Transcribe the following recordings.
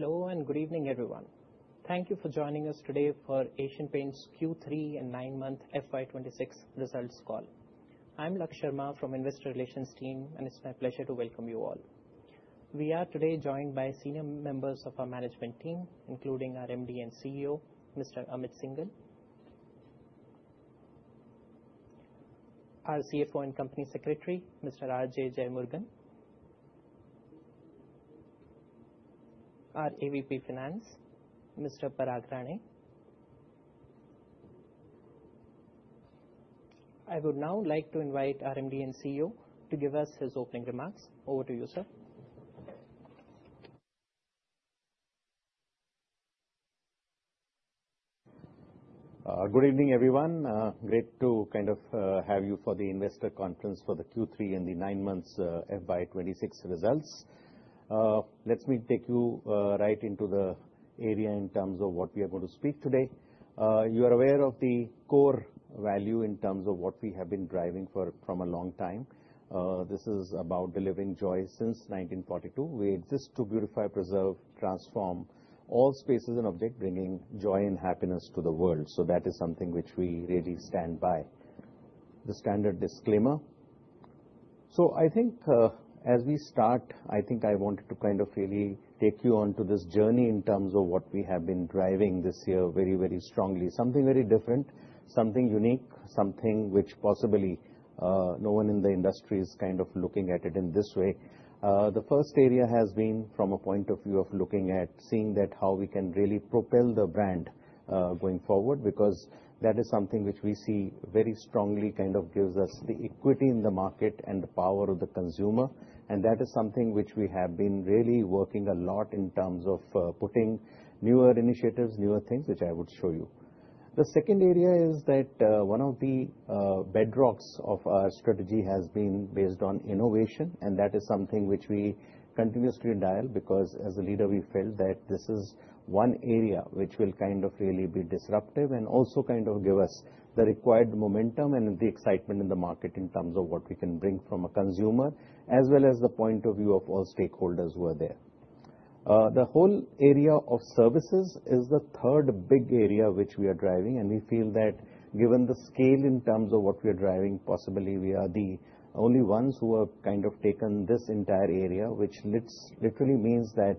Hello, and good evening, everyone. Thank you for joining us today for Asian Paints Q3 and nine-month FY 2026 results call. I'm Lakshya Sharma from Investor Relations team, and it's my pleasure to welcome you all. We are today joined by senior members of our management team, including our MD and CEO, Mr. Amit Syngle, our CFO and Company Secretary, Mr. R.J. Jeyamurugan, our AVP Finance, Mr. Parag Rane. I would now like to invite our MD and CEO to give us his opening remarks. Over to you, sir. Good evening, everyone. Great to kind of have you for the investor conference for the Q3 and the nine months, FY 2026 results. Let me take you right into the area in terms of what we are going to speak today. You are aware of the core value in terms of what we have been driving for from a long time. This is about delivering joy since 1942. We exist to beautify, preserve, transform all spaces and object, bringing joy and happiness to the world, so that is something which we really stand by. The standard disclaimer. So I think, as we start, I think I wanted to kind of really take you on to this journey in terms of what we have been driving this year very, very strongly. Something very different, something unique, something which possibly no one in the industry is kind of looking at it in this way. The first area has been from a point of view of looking at seeing that how we can really propel the brand going forward, because that is something which we see very strongly, kind of gives us the equity in the market and the power of the consumer. And that is something which we have been really working a lot in terms of putting newer initiatives, newer things, which I would show you. The second area is that, one of the bedrocks of our strategy has been based on innovation, and that is something which we continuously dial, because as a leader, we felt that this is one area which will kind of really be disruptive and also kind of give us the required momentum and the excitement in the market in terms of what we can bring from a consumer, as well as the point of view of all stakeholders who are there. The whole area of services is the third big area which we are driving, and we feel that given the scale in terms of what we are driving, possibly we are the only ones who have kind of taken this entire area, which literally means that,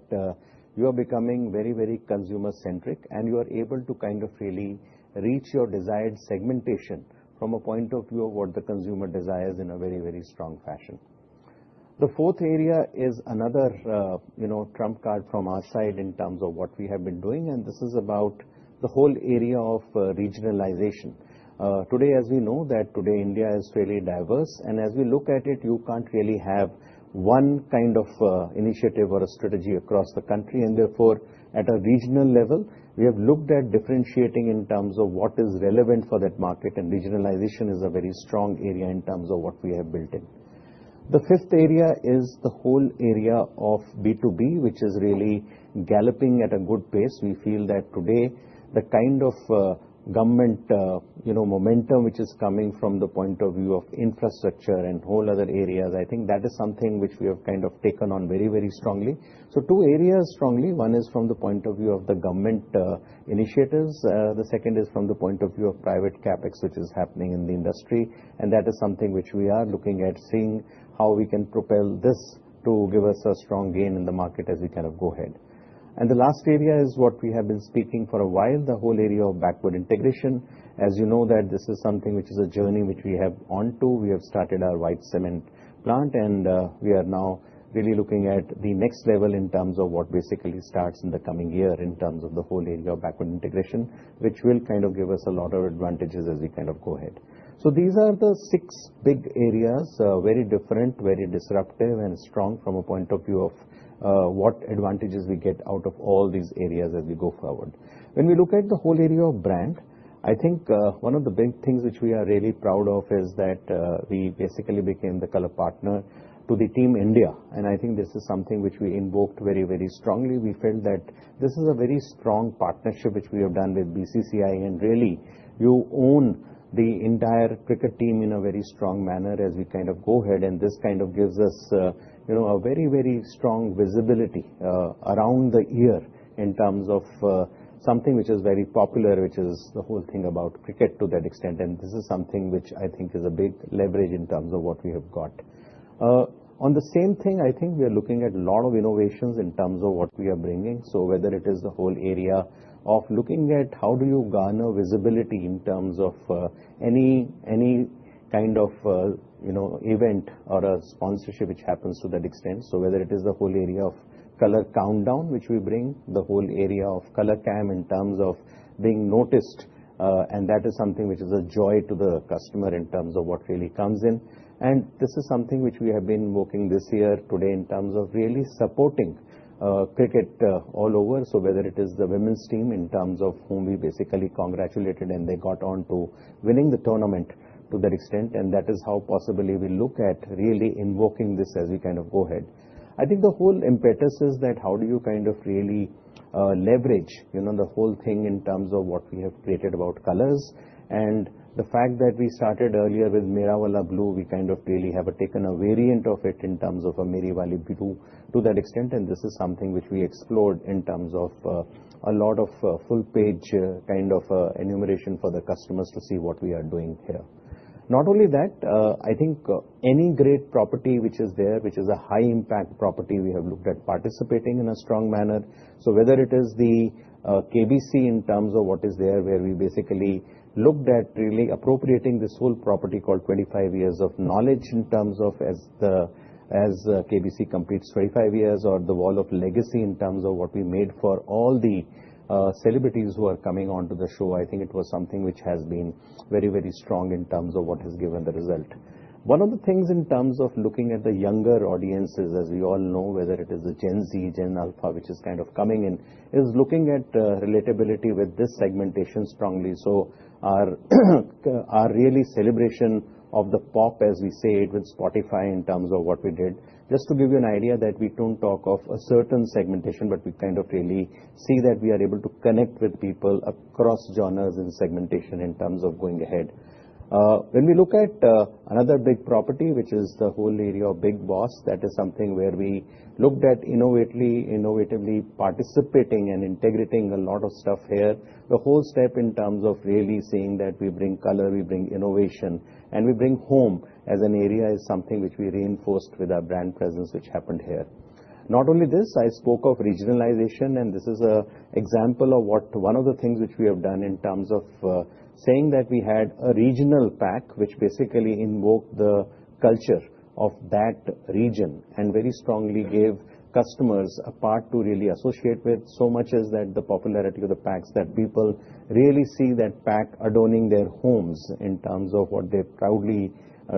you are becoming very, very consumer-centric, and you are able to kind of really reach your desired segmentation from a point of view of what the consumer desires in a very, very strong fashion. The fourth area is another, you know, trump card from our side in terms of what we have been doing, and this is about the whole area of, regionalization. Today, as we know, that today India is really diverse, and as we look at it, you can't really have one kind of, initiative or a strategy across the country. Therefore, at a regional level, we have looked at differentiating in terms of what is relevant for that market, and regionalization is a very strong area in terms of what we have built in. The fifth area is the whole area of B2B, which is really galloping at a good pace. We feel that today, the kind of government, you know, momentum, which is coming from the point of view of infrastructure and whole other areas, I think that is something which we have kind of taken on very, very strongly. So two areas strongly. One is from the point of view of the government initiatives. The second is from the point of view of private CapEx, which is happening in the industry, and that is something which we are looking at, seeing how we can propel this to give us a strong gain in the market as we kind of go ahead. The last area is what we have been speaking for a while, the whole area of backward integration. As you know that this is something which is a journey which we have on to. We have started our white cement plant, and we are now really looking at the next level in terms of what basically starts in the coming year in terms of the whole area of backward integration, which will kind of give us a lot of advantages as we kind of go ahead. So these are the six big areas, very different, very disruptive and strong from a point of view of, what advantages we get out of all these areas as we go forward. When we look at the whole area of brand, I think, one of the big things which we are really proud of is that, we basically became the Colour partner to the Team India, and I think this is something which we invoked very, very strongly. We felt that this is a very strong partnership which we have done with BCCI, and really, you own the entire cricket team in a very strong manner as we kind of go ahead. This kind of gives us, you know, a very, very strong visibility around the year in terms of something which is very popular, which is the whole thing about cricket to that extent, and this is something which I think is a big leverage in terms of what we have got. On the same thing, I think we are looking at a lot of innovations in terms of what we are bringing. Whether it is the whole area of looking at how do you garner visibility in terms of any, any kind of, you know, event or a sponsorship which happens to that extent. So whether it is the whole area of Colour Countdown, which we bring, the whole area of Colour Cam in terms of being noticed, and that is something which is a joy to the customer in terms of what really comes in. And this is something which we have been working this year today in terms of really supporting, cricket, all over. So whether it is the women's team in terms of whom we basically congratulated, and they got on to winning the tournament to that extent, and that is how possibly we look at really invoking this as we kind of go ahead. I think the whole impetus is that how do you kind of really leverage, you know, the whole thing in terms of what we have created about Colours. And the fact that we started earlier with Mera Wala Blue, we kind of really have taken a variant of it in terms of a Meri Wali Blue to that extent, and this is something which we explored in terms of a lot of full page kind of enumeration for the customers to see what we are doing here. Not only that, I think any great property which is there, which is a high impact property, we have looked at participating in a strong manner. So whether it is the KBC in terms of what is there, where we basically looked at really appropriating this whole property called 25 Years of Knowledge, in terms of as KBC completes 25 years, or the Wall of Legacy, in terms of what we made for all the celebrities who are coming onto the show. I think it was something which has been very, very strong in terms of what has given the result. One of the things in terms of looking at the younger audiences, as we all know, whether it is a Gen Z, Gen Alpha, which is kind of coming in, is looking at relatability with this segmentation strongly. So our, our really celebration of the pop, as we say, with Spotify, in terms of what we did. Just to give you an idea that we don't talk of a certain segmentation, but we kind of really see that we are able to connect with people across genres and segmentation in terms of going ahead. When we look at another big property, which is the whole area of Bigg Boss, that is something where we looked at innovatively participating and integrating a lot of stuff here. The whole step in terms of really saying that we bring Colour, we bring innovation, and we bring home as an area, is something which we reinforced with our brand presence, which happened here. Not only this, I spoke of regionalization, and this is an example of what one of the things which we have done in terms of saying that we had a regional pack, which basically invoked the culture of that region, and very strongly gave customers a part to really associate with. So much as that, the popularity of the packs, that people really see that pack adorning their homes in terms of what they proudly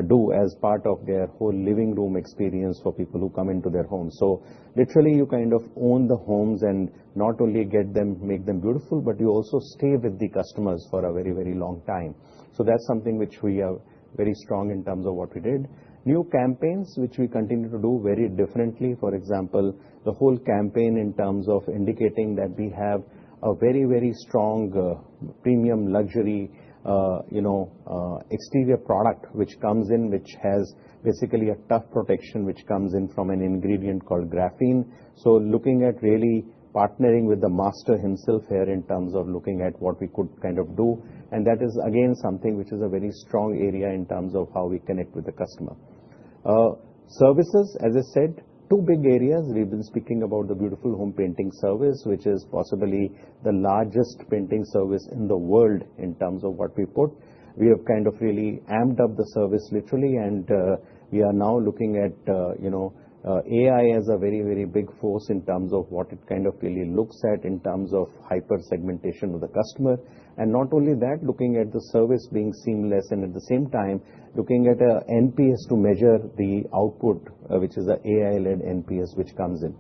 do as part of their whole living room experience for people who come into their homes. So literally, you kind of own the homes, and not only get them, make them beautiful, but you also stay with the customers for a very, very long time. So that's something which we are very strong in terms of what we did. New campaigns, which we continue to do very differently. For example, the whole campaign in terms of indicating that we have a very, very strong, premium luxury, you know, exterior product, which comes in, which has basically a tough protection, which comes in from an ingredient called graphene. So looking at really partnering with the master himself here, in terms of looking at what we could kind of do. And that is, again, something which is a very strong area in terms of how we connect with the customer. Services, as I said, two big areas. We've been speaking about the Beautiful Homes Painting Service, which is possibly the largest painting service in the world in terms of what we put. We have kind of really amped up the service literally, and we are now looking at, you know, AI as a very, very big force in terms of what it kind of really looks at in terms of hyper segmentation of the customer. And not only that, looking at the service being seamless, and at the same time, looking at NPS to measure the output, which is a AI-led NPS, which comes in.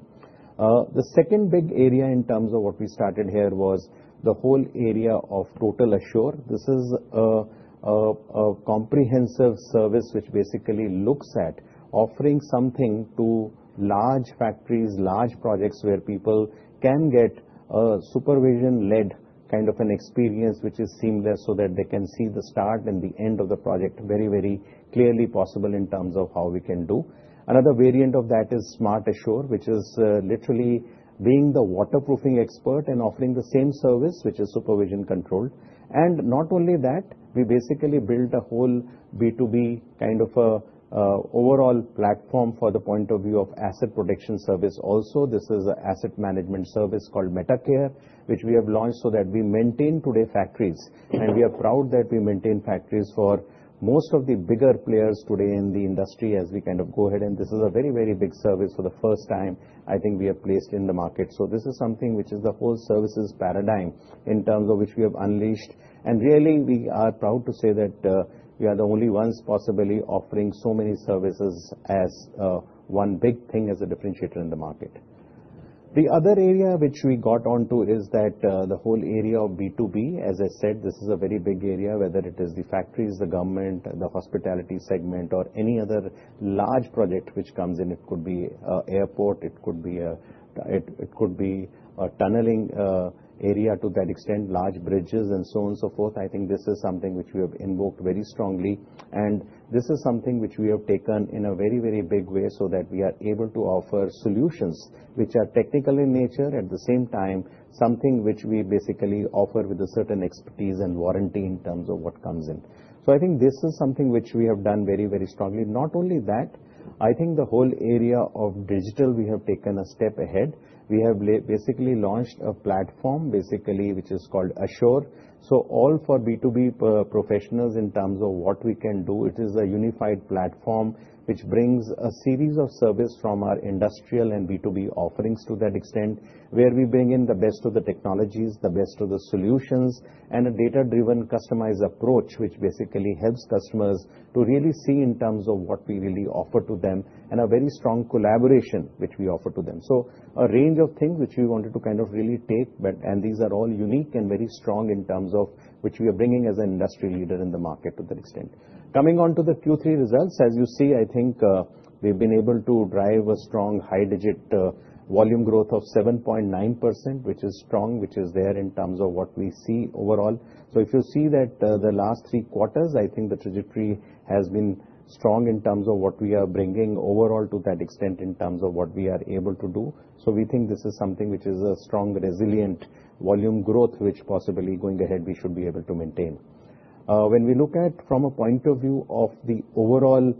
The second big area in terms of what we started here was the whole area of Total Assure. This is a comprehensive service which basically looks at offering something to large factories, large projects, where people can get a supervision-led kind of an experience, which is seamless, so that they can see the start and the end of the project very, very clearly possible in terms of how we can do. Another variant of that is SmartAssure, which is, literally being the waterproofing expert and offering the same service, which is supervision controlled. And not only that, we basically built a whole B2B kind of a, overall platform for the point of view of asset protection service also. This is an asset management service called METACARE, which we have launched so that we maintain today factories. We are proud that we maintain factories for most of the bigger players today in the industry as we kind of go ahead, and this is a very, very big service for the first time I think we have placed in the market. This is something which is the whole services paradigm in terms of which we have unleashed. Really, we are proud to say that we are the only ones possibly offering so many services as one big thing as a differentiator in the market. The other area which we got onto is that the whole area of B2B. As I said, this is a very big area, whether it is the factories, the government, the hospitality segment, or any other large project which comes in. It could be an airport, it could be a tunneling area to that extent, large bridges, and so on and so forth. I think this is something which we have invoked very strongly, and this is something which we have taken in a very, very big way so that we are able to offer solutions which are technical in nature. At the same time, something which we basically offer with a certain expertise and warranty in terms of what comes in. So I think this is something which we have done very, very strongly. Not only that, I think the whole area of digital, we have taken a step ahead. We have basically launched a platform, basically, which is called Assure. So all for B2B professionals in terms of what we can do, it is a unified platform which brings a series of service from our industrial and B2B offerings to that extent, where we bring in the best of the technologies, the best of the solutions, and a data-driven customized approach, which basically helps customers to really see in terms of what we really offer to them, and a very strong collaboration which we offer to them. So a range of things which we wanted to kind of really take, but... And these are all unique and very strong in terms of which we are bringing as an industry leader in the market to that extent. Coming on to the Q3 results, as you see, I think, we've been able to drive a strong high digit, volume growth of 7.9%, which is strong, which is there in terms of what we see overall. So if you see that, the last three quarters, I think the trajectory has been strong in terms of what we are bringing overall to that extent in terms of what we are able to do. So we think this is something which is a strong, resilient volume growth, which possibly going ahead, we should be able to maintain. When we look at from a point of view of the overall,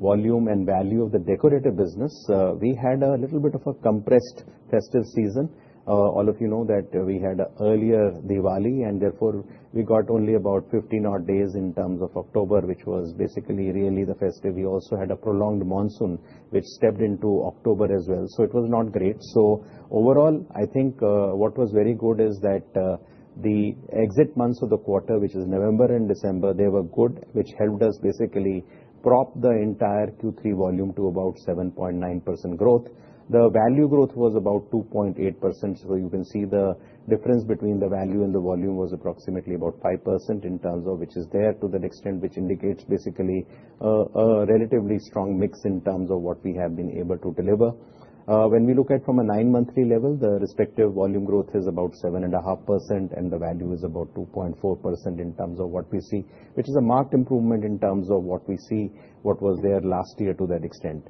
volume and value of the decorative business, we had a little bit of a compressed festive season. All of you know that we had a earlier Diwali, and therefore, we got only about 15 odd days in terms of October, which was basically really the festive. We also had a prolonged monsoon, which stepped into October as well, so it was not great. So overall, I think, what was very good is that, the exit months of the quarter, which is November and December, they were good, which helped us basically prop the entire Q3 volume to about 7.9% growth. The value growth was about 2.8%, so you can see the difference between the value and the volume was approximately about 5% in terms of which is there to that extent, which indicates basically, a relatively strong mix in terms of what we have been able to deliver. When we look at from a nine-monthly level, the respective volume growth is about 7.5%, and the value is about 2.4% in terms of what we see, which is a marked improvement in terms of what we see, what was there last year to that extent.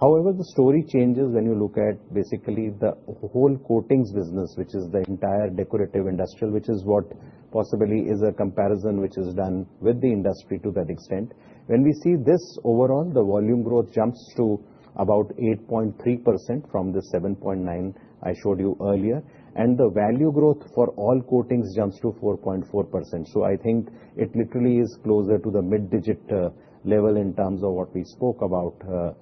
However, the story changes when you look at basically the whole coatings business, which is the entire decorative industrial, which is what possibly is a comparison which is done with the industry to that extent. When we see this overall, the volume growth jumps to about 8.3% from the 7.9% I showed you earlier, and the value growth for all coatings jumps to 4.4%. So I think it literally is closer to the mid-digit level in terms of what we spoke about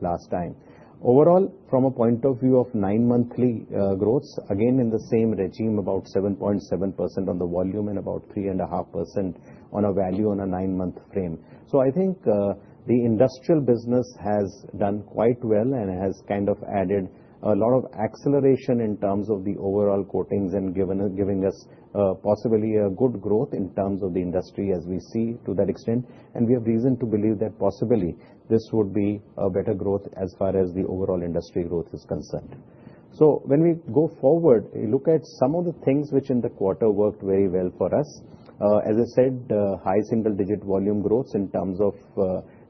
last time. Overall, from a point of view of nine-monthly growths, again, in the same regime, about 7.7% on the volume and about 3.5% on a value on a nine-month frame. So I think the industrial business has done quite well and has kind of added a lot of acceleration in terms of the overall coatings and giving us possibly a good growth in terms of the industry as we see to that extent. And we have reason to believe that possibly this would be a better growth as far as the overall industry growth is concerned. So when we go forward, look at some of the things which in the quarter worked very well for us. As I said, high single-digit volume growth in terms of,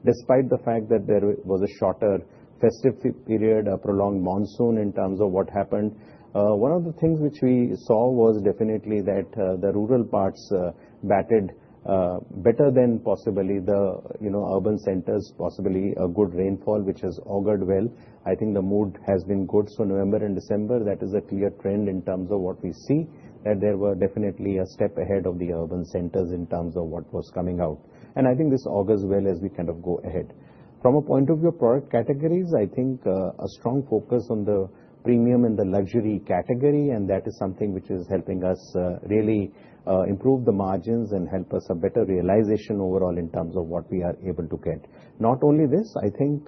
despite the fact that there was a shorter festive period, a prolonged monsoon in terms of what happened. One of the things which we saw was definitely that, the rural parts battered better than possibly the, you know, urban centers, possibly a good rainfall, which has augured well. I think the mood has been good. So November and December, that is a clear trend in terms of what we see, and they were definitely a step ahead of the urban centers in terms of what was coming out. And I think this augurs well as we kind of go ahead. From a point of view of product categories, I think, a strong focus on the premium and the luxury category, and that is something which is helping us, really, improve the margins and help us a better realization overall in terms of what we are able to get. Not only this, I think,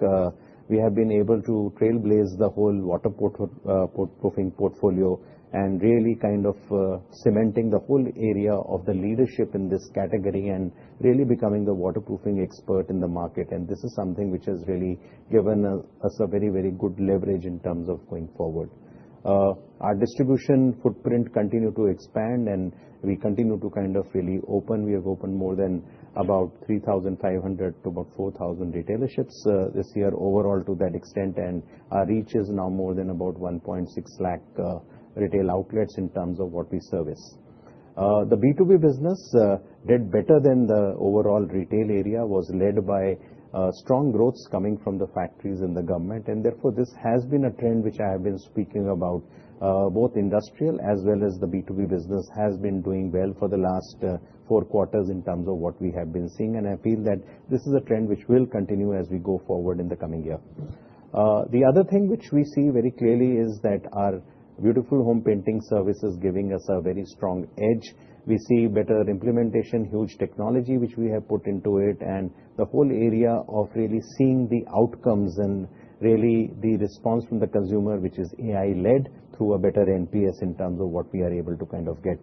we have been able to trailblaze the whole waterproofing portfolio and really kind of cementing the whole area of the leadership in this category and really becoming the waterproofing expert in the market. This is something which has really given us a very, very good leverage in terms of going forward. Our distribution footprint continued to expand, and we continue to kind of really open. We have opened more than about 3,500 to about 4,000 retailerships this year overall to that extent, and our reach is now more than about 160,000 retail outlets in terms of what we service. The B2B business did better than the overall retail area, was led by strong growths coming from the factories and the government. Therefore, this has been a trend which I have been speaking about, both industrial as well as the B2B business, has been doing well for the last four quarters in terms of what we have been seeing. I feel that this is a trend which will continue as we go forward in the coming year. The other thing which we see very clearly is that our Beautiful Homes Painting Service is giving us a very strong edge. We see better implementation, huge technology, which we have put into it, and the whole area of really seeing the outcomes and really the response from the consumer, which is AI-led, through a better NPS in terms of what we are able to kind of get.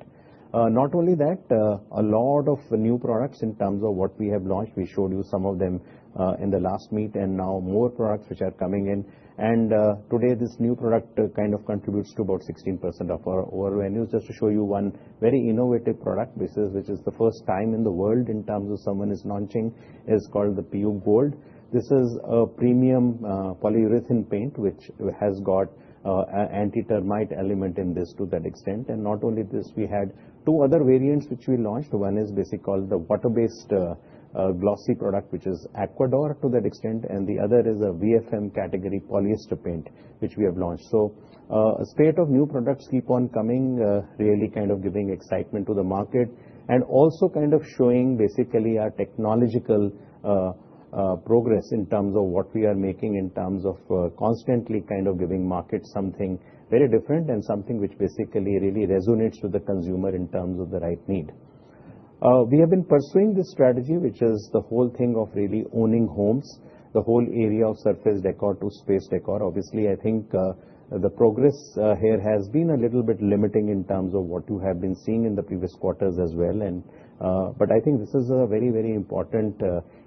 Not only that, a lot of new products in terms of what we have launched, we showed you some of them, in the last meet, and now more products which are coming in. Today, this new product kind of contributes to about 16% of our overall revenues. Just to show you one very innovative product, this is, which is the first time in the world in terms of someone is launching, is called the PU Gold. This is a premium, polyurethane paint, which has got, a anti-termite element in this to that extent. And not only this, we had two other variants which we launched. One is basically called the water-based, glossy product, which is Aquadur, to that extent, and the other is a VFM category polyester paint, which we have launched. So, a spate of new products keep on coming, really kind of giving excitement to the market and also kind of showing basically our technological, progress in terms of what we are making, in terms of, constantly kind of giving market something very different and something which basically really resonates with the consumer in terms of the right need. We have been pursuing this strategy, which is the whole thing of really owning homes, the whole area of surface decor to space decor. Obviously, I think, the progress here has been a little bit limiting in terms of what you have been seeing in the previous quarters as well, and, but I think this is a very, very important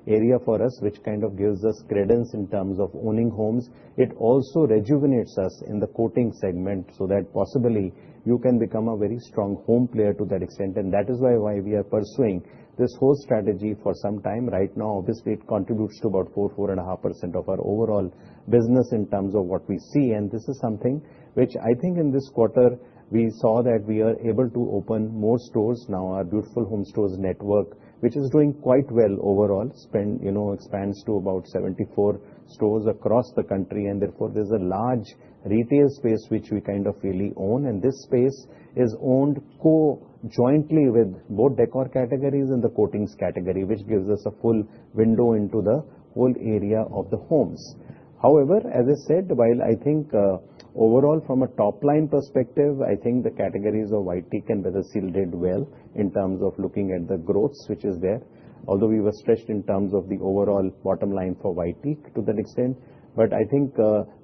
area for us, which kind of gives us credence in terms of owning homes. It also rejuvenates us in the coating segment, so that possibly you can become a very strong home player to that extent, and that is why, why we are pursuing this whole strategy for some time. Right now, obviously, it contributes to about 4%-4.5% of our overall business in terms of what we see, and this is something which I think in this quarter, we saw that we are able to open more stores now, our Beautiful Homes Stores network, which is doing quite well overall. Spend, you know, expands to about 74 stores across the country, and therefore, there's a large retail space which we kind of really own. And this space is owned co-jointly with both decor categories and the coatings category, which gives us a full window into the whole area of the homes. However, as I said, while I think, overall from a top-line perspective, I think the categories of The White Teak and Weatherseal did well in terms of looking at the growth, which is there. Although we were stretched in terms of the overall bottom line for The White Teak to that extent. But I think,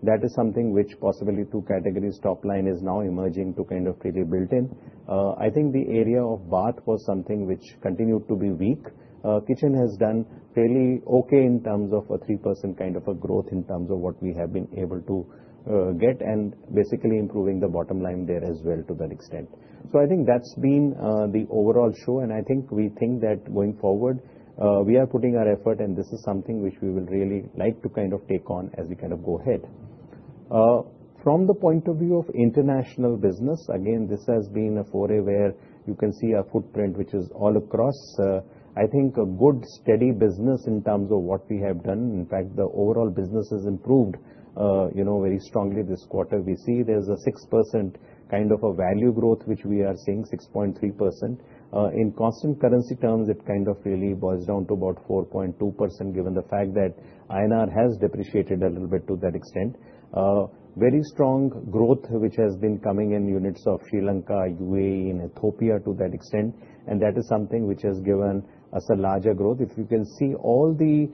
that is something which possibly two categories top line is now emerging to kind of really built in. I think the area of bath was something which continued to be weak. Kitchen has done fairly okay in terms of a 3% kind of a growth in terms of what we have been able to get, and basically improving the bottom line there as well to that extent. So I think that's been the overall show, and I think we think that going forward, we are putting our effort, and this is something which we will really like to kind of take on as we kind of go ahead. From the point of view of international business, again, this has been a foray where you can see our footprint, which is all across. I think a good, steady business in terms of what we have done. In fact, the overall business has improved, you know, very strongly this quarter. We see there's a 6% kind of a value growth, which we are seeing 6.3%. In constant currency terms, it kind of really boils down to about 4.2%, given the fact that INR has depreciated a little bit to that extent. Very strong growth, which has been coming in units of Sri Lanka, UAE, and Ethiopia to that extent, and that is something which has given us a larger growth. If you can see, all the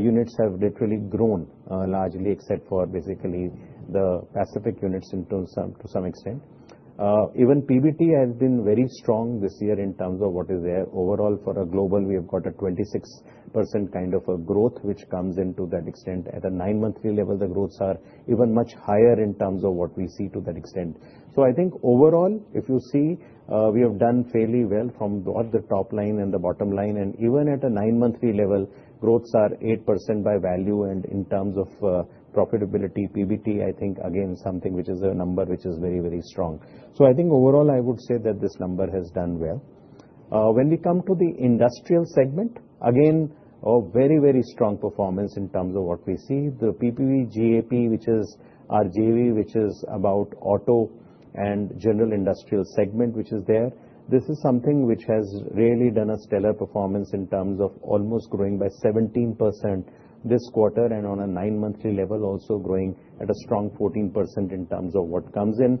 units have literally grown largely, except for basically the Pacific units in terms to some extent. Even PBT has been very strong this year in terms of what is there. Overall, for a global, we have got a 26% kind of a growth, which comes into that extent. At a nine-monthly level, the growths are even much higher in terms of what we see to that extent. So I think overall, if you see, we have done fairly well from both the top line and the bottom line, and even at a nine-monthly level, growths are 8% by value. And in terms of profitability, PBT, I think, again, something which is a number which is very, very strong. So I think overall, I would say that this number has done well. When we come to the industrial segment, again, a very, very strong performance in terms of what we see. The PPG AP which is our JV, which is about auto and general industrial segment, which is there. This is something which has really done a stellar performance in terms of almost growing by 17% this quarter, and on a nine-monthly level, also growing at a strong 14% in terms of what comes in.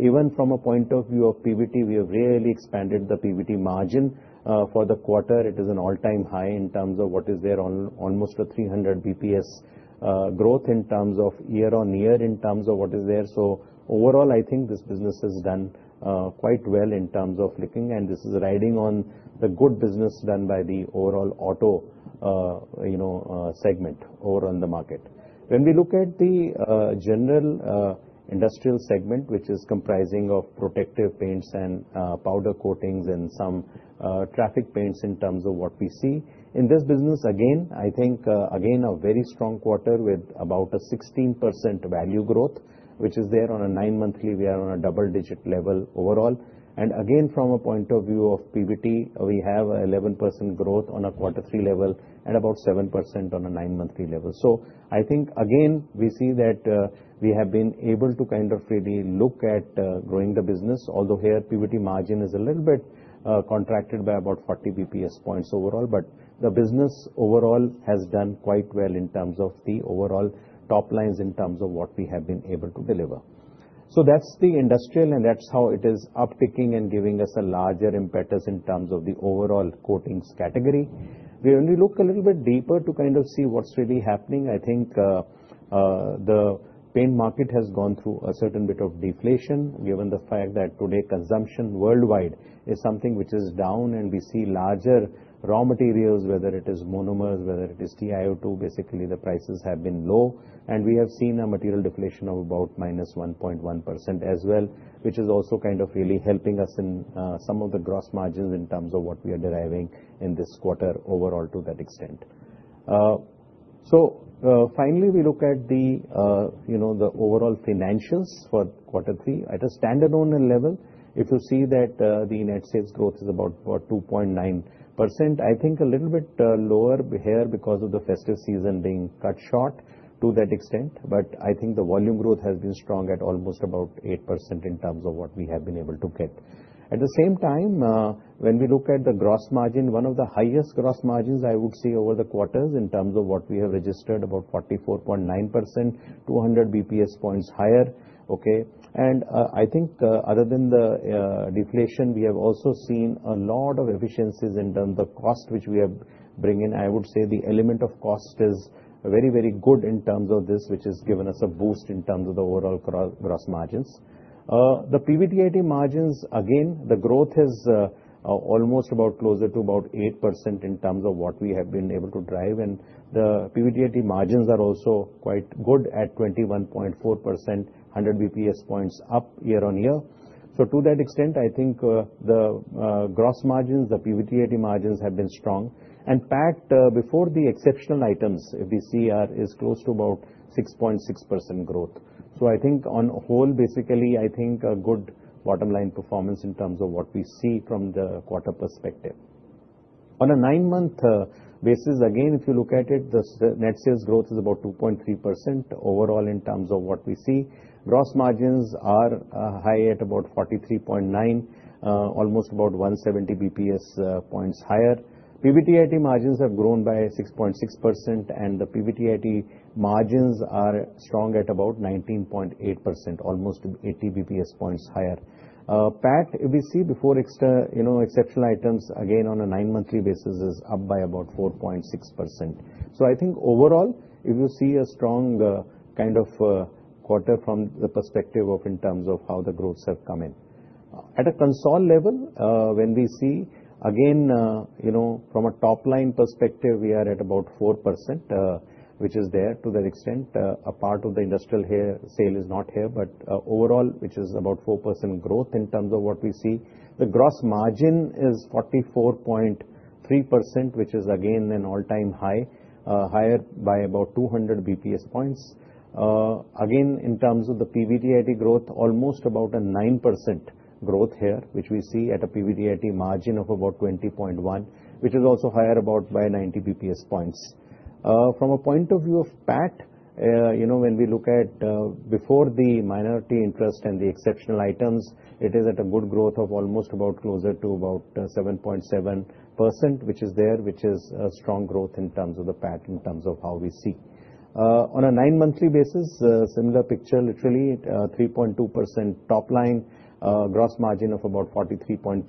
Even from a point of view of PBT, we have really expanded the PBT margin. For the quarter, it is an all-time high in terms of what is there on almost a 300 bps growth in terms of year-on-year, in terms of what is there. So overall, I think this business has done quite well in terms of looking, and this is riding on the good business done by the overall auto, you know, segment over on the market. When we look at the general industrial segment, which is comprising of protective paints and powder coatings and some traffic paints in terms of what we see. In this business, again, I think, again, a very strong quarter with about 16% value growth, which is there on a nine-monthly. We are on a double-digit level overall. And again, from a point of view of PBT, we have 11% growth on a quarter three level and about 7% on a nine-monthly level. So I think, again, we see that we have been able to kind of really look at growing the business, although here, PBT margin is a little bit contracted by about 40 basis points overall. But the business overall has done quite well in terms of the overall top lines, in terms of what we have been able to deliver. So that's the industrial, and that's how it is upticking and giving us a larger impetus in terms of the overall coatings category. When we look a little bit deeper to kind of see what's really happening, I think, the paint market has gone through a certain bit of deflation, given the fact that today, consumption worldwide is something which is down, and we see larger raw materials, whether it is monomers, whether it is TiO2, basically, the prices have been low. And we have seen a material deflation of about -1.1% as well, which is also kind of really helping us in some of the gross margins in terms of what we are deriving in this quarter overall to that extent. So, finally, we look at the you know, the overall financials for quarter three. At a standalone level, if you see that, the net sales growth is about two point nine percent, I think a little bit lower here because of the festive season being cut short to that extent. But I think the volume growth has been strong at almost about 8% in terms of what we have been able to get. At the same time, when we look at the gross margin, one of the highest gross margins I would see over the quarters in terms of what we have registered, about 44.9%, 200 basis points higher, okay? And, I think, other than the deflation, we have also seen a lot of efficiencies in terms of cost, which we have bring in. I would say the element of cost is very, very good in terms of this, which has given us a boost in terms of the overall cross- gross margins. The PBDIT margins, again, the growth is almost about closer to about 8% in terms of what we have been able to drive, and the PBDIT margins are also quite good at 21.4%, 100 basis points up year-over-year. So to that extent, I think, the gross margins, the PBDIT margins have been strong. And PAT before the exceptional items, we see is close to about 6.6% growth. So I think on a whole, basically, I think a good bottom line performance in terms of what we see from the quarter perspective. On a nine-month basis, again, if you look at it, the net sales growth is about 2.3% overall in terms of what we see. Gross margins are high at about 43.9, almost about 170 basis points higher. PBDIT margins have grown by 6.6%, and the PBDIT margins are strong at about 19.8%, almost 80 basis points higher. PAT, if you see before extraordinary, you know, exceptional items, again, on a nine-monthly basis, is up by about 4.6%. So I think overall, if you see a strong kind of quarter from the perspective of in terms of how the growths have come in. At a consolidated level, when we see, again, you know, from a top line perspective, we are at about 4%, which is there to that extent, a part of the industrial here sale is not here, but overall, which is about 4% growth in terms of what we see. The gross margin is 44.3%, which is again, an all-time high, higher by about 200 basis points. Again, in terms of the PBDIT growth, almost about a 9% growth here, which we see at a PBDIT margin of about 20.1, which is also higher about by 90 bps. From a point of view of PAT, you know, when we look at, before the minority interest and the exceptional items, it is at a good growth of almost about closer to about 7.7%, which is there, which is a strong growth in terms of the PAT, in terms of how we see. On a 9 monthly basis, similar picture, literally, 3.2% top line, gross margin of about 43.3,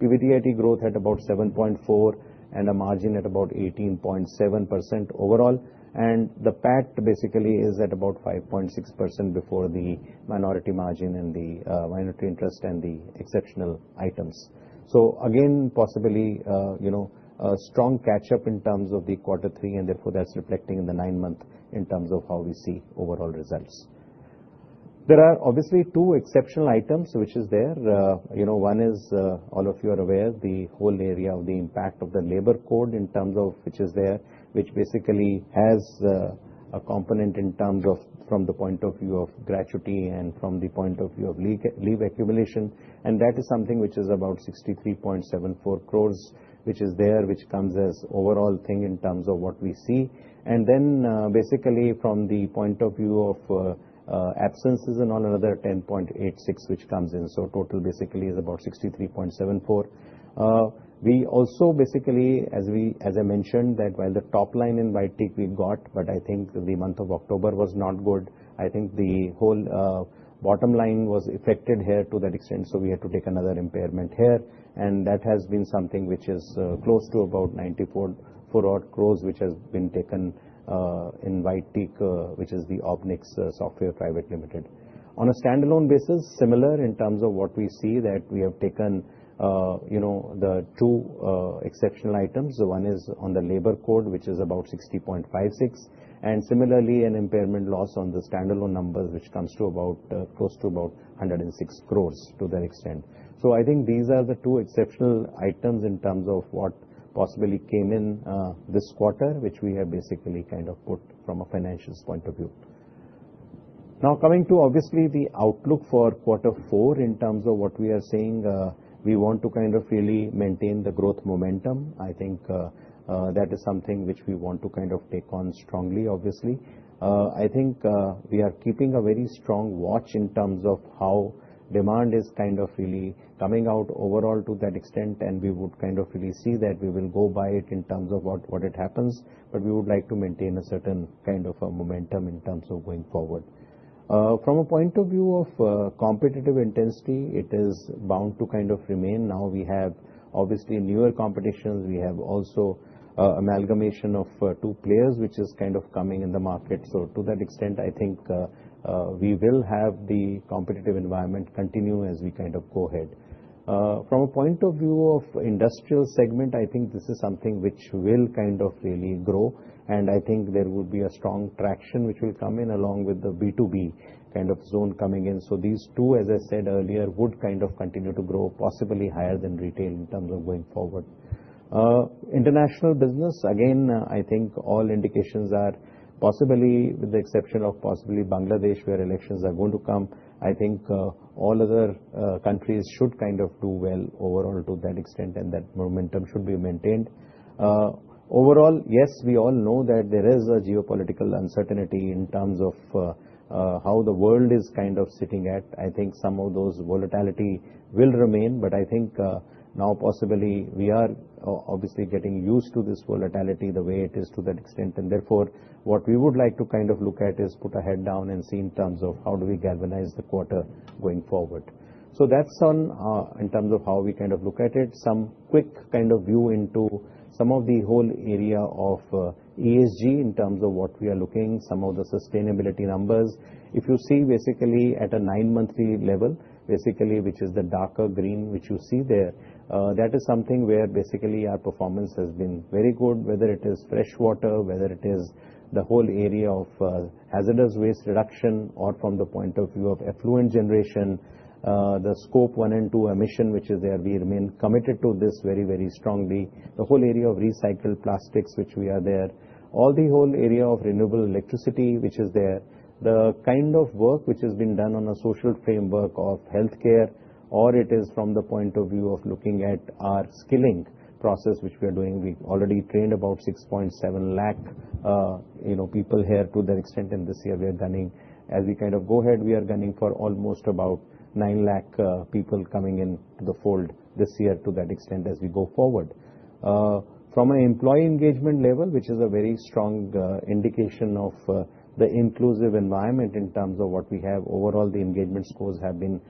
PBDIT growth at about 7.4, and a margin at about 18.7% overall. The PAT basically is at about 5.6% before the minority margin and the minority interest and the exceptional items. So again, possibly, you know, a strong catch up in terms of the quarter three, and therefore, that's reflecting in the nine-month in terms of how we see overall results. There are obviously two exceptional items which is there. You know, one is, all of you are aware, the whole area of the impact of the labor code in terms of which is there, which basically has a component in terms of, from the point of view of gratuity and from the point of view of leave accumulation, and that is something which is about 63.74 crore, which is there, which comes as overall thing in terms of what we see. And then, basically from the point of view of, absences and all, another 10.86, which comes in, so total basically is about 63.74. We also basically, as we—as I mentioned, that while the top line in White Teak we've got, but I think the month of October was not good. I think the whole, bottom line was affected here to that extent, so we had to take another impairment here, and that has been something which is, close to about 94.4 crore, which has been taken, in White Teak, which is the Obgenix Software Private Limited. On a standalone basis, similar in terms of what we see, that we have taken, you know, the two exceptional items. One is on the labor code, which is about 60.56, and similarly, an impairment loss on the standalone numbers, which comes to about, close to about 106 crore to that extent. So I think these are the two exceptional items in terms of what possibly came in, this quarter, which we have basically kind of put from a financials point of view. Now, coming to obviously the outlook for quarter four, in terms of what we are saying, we want to kind of really maintain the growth momentum. I think, that is something which we want to kind of take on strongly, obviously. I think, we are keeping a very strong watch in terms of how demand is kind of really coming out overall to that extent, and we would kind of really see that we will go by it in terms of what, what it happens, but we would like to maintain a certain kind of a momentum in terms of going forward. From a point of view of, competitive intensity, it is bound to kind of remain. Now, we have obviously newer competitions. We have also, amalgamation of, two players, which is kind of coming in the market. So to that extent, I think, we will have the competitive environment continue as we kind of go ahead. From a point of view of industrial segment, I think this is something which will kind of really grow, and I think there will be a strong traction which will come in along with the B2B kind of zone coming in. So these two, as I said earlier, would kind of continue to grow, possibly higher than retail in terms of going forward. International business, again, I think all indications are possibly, with the exception of possibly Bangladesh, where elections are going to come, I think, all other, countries should kind of do well overall to that extent, and that momentum should be maintained. Overall, yes, we all know that there is a geopolitical uncertainty in terms of, how the world is kind of sitting at. I think some of those volatility will remain, but I think now possibly we are obviously getting used to this volatility the way it is to that extent, and therefore, what we would like to kind of look at is put our head down and see in terms of how do we galvanize the quarter going forward. So that's on in terms of how we kind of look at it. Some quick kind of view into some of the whole area of ESG, in terms of what we are looking, some of the sustainability numbers. If you see basically at a nine-monthly level, basically, which is the darker green, which you see there, that is something where basically our performance has been very good, whether it is fresh water, whether it is the whole area of hazardous waste reduction, or from the point of view of effluent generation, the scope one and two emission, which is there, we remain committed to this very, very strongly. The whole area of recycled plastics, which we are there. All the whole area of renewable electricity, which is there. The kind of work which has been done on a social framework of healthcare, or it is from the point of view of looking at our skilling process, which we are doing. We've already trained about 6.7 lakh, you know, people here to that extent, and this year we are gunning. As we kind of go ahead, we are gunning for almost about 900,000 people coming into the fold this year to that extent as we go forward. From an employee engagement level, which is a very strong indication of the inclusive environment in terms of what we have. Overall, the engagement scores have been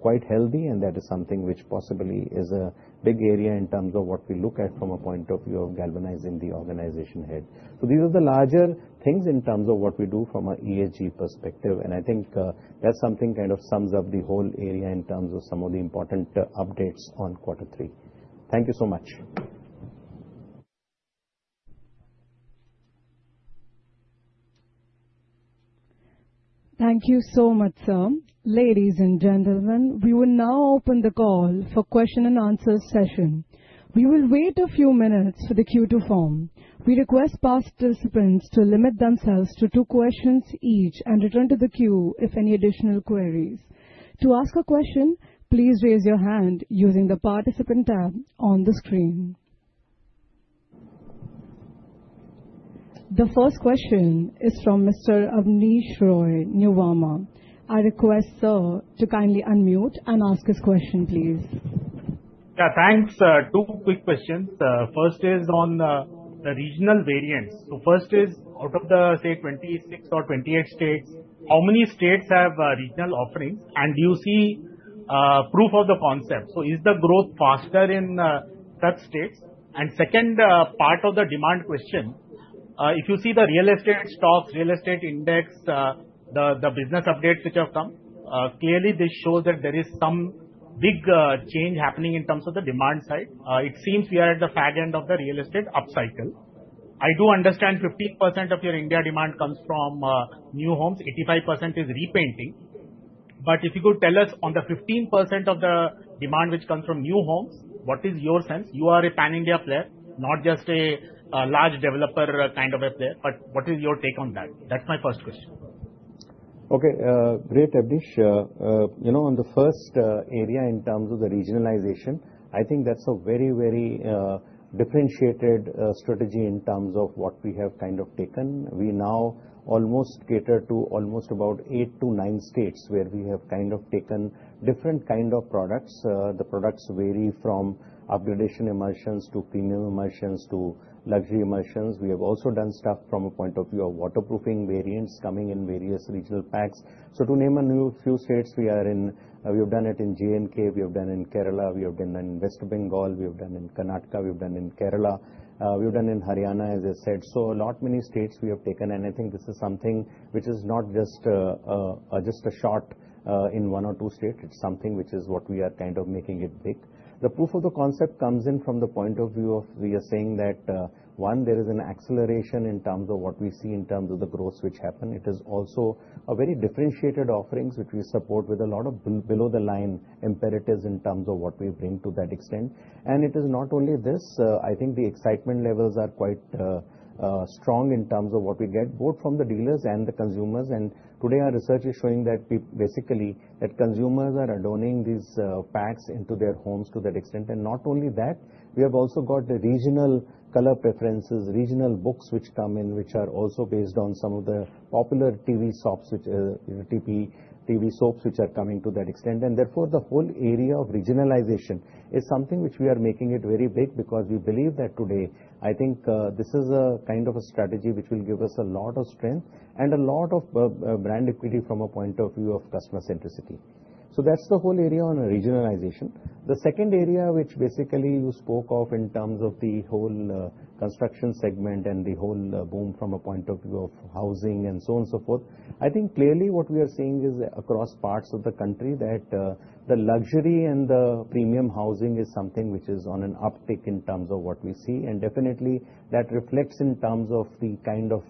quite healthy, and that is something which possibly is a big area in terms of what we look at from a point of view of galvanizing the organization ahead. So these are the larger things in terms of what we do from an ESG perspective, and I think that's something kind of sums up the whole area in terms of some of the important updates on quarter three. Thank you so much. Thank you so much, sir. Ladies and gentlemen, we will now open the call for question-and-answer session. We will wait a few minutes for the queue to form. We request participants to limit themselves to two questions each, and return to the queue if any additional queries. To ask a question, please raise your hand using the Participant tab on the screen. The first question is from Mr. Abneesh Roy, Nuvama. I request, sir, to kindly unmute and ask his question, please. Yeah, thanks. Two quick questions. First is on the regional variants. So first is, out of the, say, 26 or 28 states, how many states have regional offerings? And do you see proof of the concept? So is the growth faster in such states? And second, part of the demand question, if you see the real estate stocks, real estate index, the business updates which have come, clearly they show that there is some big change happening in terms of the demand side. It seems we are at the fag end of the real estate upcycle. I do understand 15% of your India demand comes from new homes, 85% is repainting. But if you could tell us on the 15% of the demand which comes from new homes, what is your sense? You are a pan-India player, not just a large developer kind of a player, but what is your take on that? That's my first question. Okay, great, Abneesh. You know, on the first area, in terms of the regionalization, I think that's a very, very differentiated strategy in terms of what we have kind of taken. We now almost cater to almost about 8-9 states, where we have kind of taken different kind of products. The products vary from upgradation emulsions to premium emulsions to luxury emulsions. We have also done stuff from a point of view of waterproofing variants coming in various regional packs. So to name a few states we are in, we have done it in J&K, we have done in Kerala, we have done in West Bengal, we have done in Karnataka, we've done in Kerala, we've done in Haryana, as I said. So a lot many states we have taken, and I think this is something which is not just, just a shot in one or two states. It's something which is what we are kind of making it big. The proof of the concept comes in from the point of view of we are saying that, one, there is an acceleration in terms of what we see in terms of the growth which happened. It is also a very differentiated offerings, which we support with a lot of below the line imperatives in terms of what we bring to that extent. And it is not only this, I think the excitement levels are quite strong in terms of what we get, both from the dealers and the consumers. Today, our research is showing that basically, that consumers are adopting these packs into their homes to that extent. And not only that, we have also got the regional Colour preferences, regional books which come in, which are also based on some of the popular TV soaps, which are coming to that extent. And therefore, the whole area of regionalization is something which we are making it very big because we believe that today, I think, this is a kind of a strategy which will give us a lot of strength and a lot of brand equity from a point of view of customer centricity. So that's the whole area on regionalization. The second area, which basically you spoke of in terms of the whole construction segment and the whole boom from a point of view of housing and so on and so forth, I think clearly what we are seeing is across parts of the country, that the luxury and the premium housing is something which is on an uptick in terms of what we see. Definitely, that reflects in terms of the kind of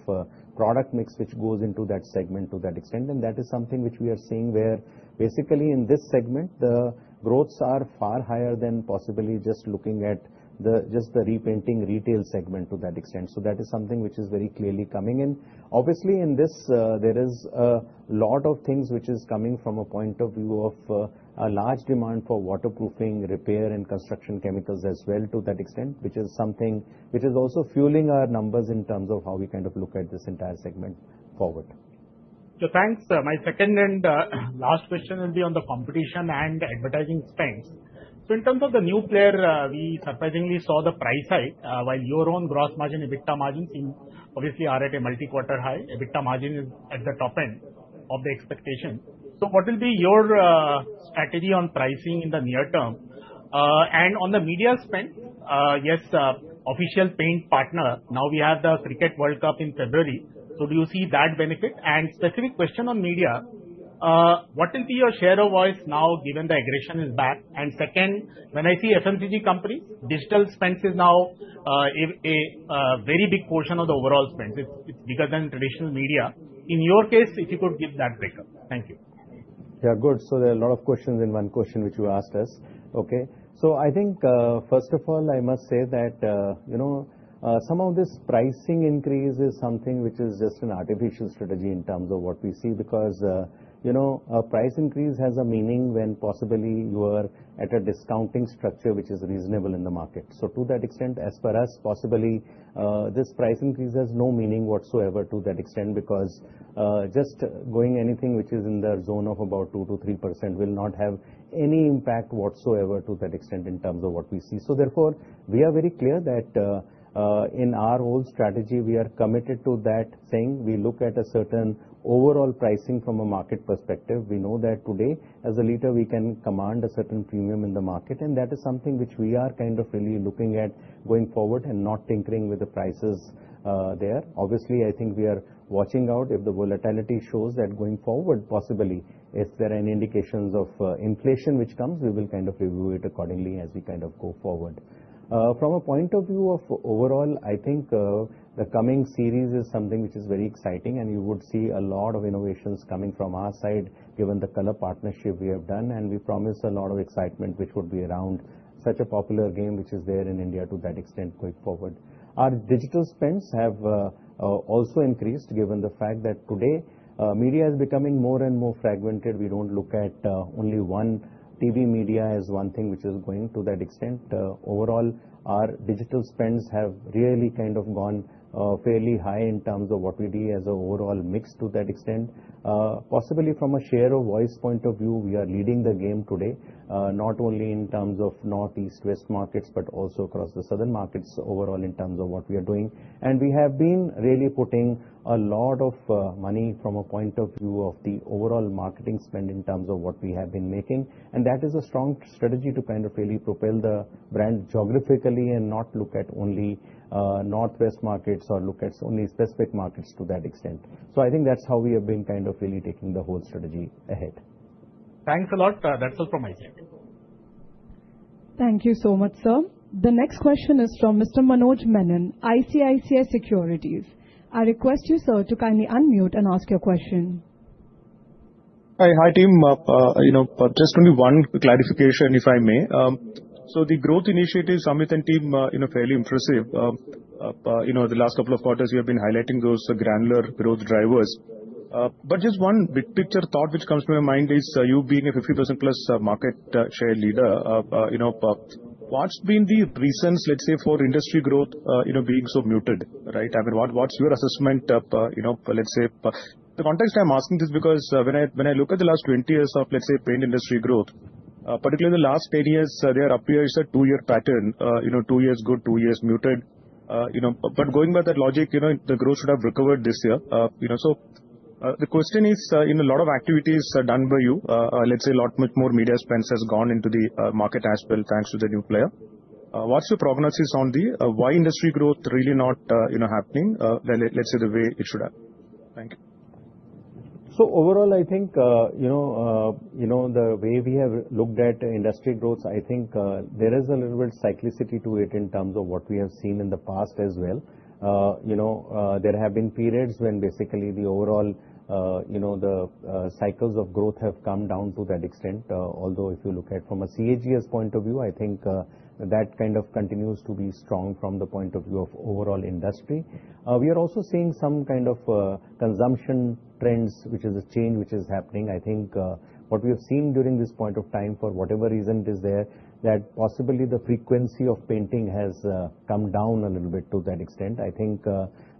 product mix which goes into that segment to that extent. That is something which we are seeing where basically in this segment, the growths are far higher than possibly just looking at just the repainting retail segment to that extent. That is something which is very clearly coming in. Obviously, in this, there is a lot of things which is coming from a point of view of, a large demand for waterproofing, repair, and construction chemicals as well to that extent, which is something which is also fueling our numbers in terms of how we kind of look at this entire segment forward. ... So thanks. My second and last question will be on the competition and advertising spends. So in terms of the new player, we surprisingly saw the price high, while your own gross margin, EBITDA margins, seem obviously are at a multi-quarter high. EBITDA margin is at the top end of the expectation. So what will be your strategy on pricing in the near term? And on the media spend, yes, official paint partner, now we have the Cricket World Cup in February, so do you see that benefit? And specific question on media, what will be your share of voice now, given the aggression is back? And second, when I see FMCG companies, digital spends is now a very big portion of the overall spends. It's bigger than traditional media. In your case, if you could give that breakup. Thank you. Yeah, good. So there are a lot of questions in one question which you asked us, okay? So I think, first of all, I must say that, you know, some of this pricing increase is something which is just an artificial strategy in terms of what we see, because, you know, a price increase has a meaning when possibly you are at a discounting structure which is reasonable in the market. So to that extent, as for us, possibly, this price increase has no meaning whatsoever to that extent, because, just going anything which is in the zone of about 2%-3% will not have any impact whatsoever to that extent in terms of what we see. So therefore, we are very clear that, in our whole strategy, we are committed to that saying. We look at a certain overall pricing from a market perspective. We know that today, as a leader, we can command a certain premium in the market, and that is something which we are kind of really looking at going forward and not tinkering with the prices, there. Obviously, I think we are watching out if the volatility shows that going forward, possibly, if there are any indications of, inflation which comes, we will kind of review it accordingly as we kind of go forward. From a point of view of overall, I think, the coming series is something which is very exciting, and you would see a lot of innovations coming from our side, given the Colour partnership we have done, and we promise a lot of excitement which would be around such a popular game, which is there in India to that extent going forward. Our digital spends have also increased, given the fact that today, media is becoming more and more fragmented. We don't look at only one TV media as one thing which is going to that extent. Overall, our digital spends have really kind of gone fairly high in terms of what we do as an overall mix to that extent. Possibly from a share of voice point of view, we are leading the game today, not only in terms of North, East, West markets, but also across the southern markets overall in terms of what we are doing. And we have been really putting a lot of money from a point of view of the overall marketing spend in terms of what we have been making, and that is a strong strategy to kind of really propel the brand geographically and not look at only Northwest markets or look at only specific markets to that extent. So I think that's how we have been kind of really taking the whole strategy ahead. Thanks a lot. That's all from my side. Thank you so much, sir. The next question is from Mr. Manoj Menon, ICICI Securities. I request you, sir, to kindly unmute and ask your question. Hi. Hi, team. You know, just only one clarification, if I may. So the growth initiatives, Amit and team, you know, fairly impressive. You know, the last couple of quarters you have been highlighting those granular growth drivers. But just one big picture thought which comes to my mind is, you being a 50%+ market share leader, you know, what's been the reasons, let's say, for industry growth, you know, being so muted, right? I mean, what, what's your assessment, you know, let's say. The context I'm asking this because, when I, when I look at the last 20 years of, let's say, paint industry growth, particularly in the last 10 years, there appears a two-year pattern. You know, two years good, two years muted. You know, but going by that logic, you know, the growth should have recovered this year. You know, so the question is, in a lot of activities are done by you, let's say a lot much more media spends has gone into the market as well, thanks to the new player. What's the prognosis on the why industry growth really not you know happening, let's say, the way it should happen? Thank you. So overall, I think, you know, you know, the way we have looked at industry growth, I think, there is a little bit cyclicity to it in terms of what we have seen in the past as well. You know, there have been periods when basically the overall, you know, cycles of growth have come down to that extent. Although if you look at from a CAGR point of view, I think, that kind of continues to be strong from the point of view of overall industry. We are also seeing some kind of, consumption trends, which is a change which is happening. I think, what we have seen during this point of time, for whatever reason it is there, that possibly the frequency of painting has, come down a little bit to that extent. I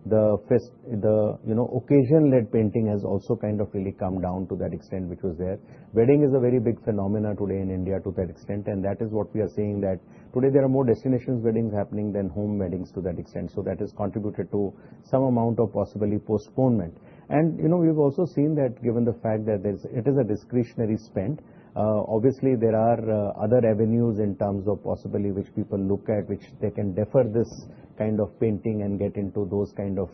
think, the, you know, occasion-led painting has also kind of really come down to that extent, which was there. Wedding is a very big phenomenon today in India to that extent, and that is what we are seeing, that today there are more destination weddings happening than home weddings to that extent. So that has contributed to some amount of possibly postponement. And, you know, we've also seen that given the fact that it is a discretionary spend, obviously there are other avenues in terms of possibly which people look at, which they can defer this kind of painting and get into those kind of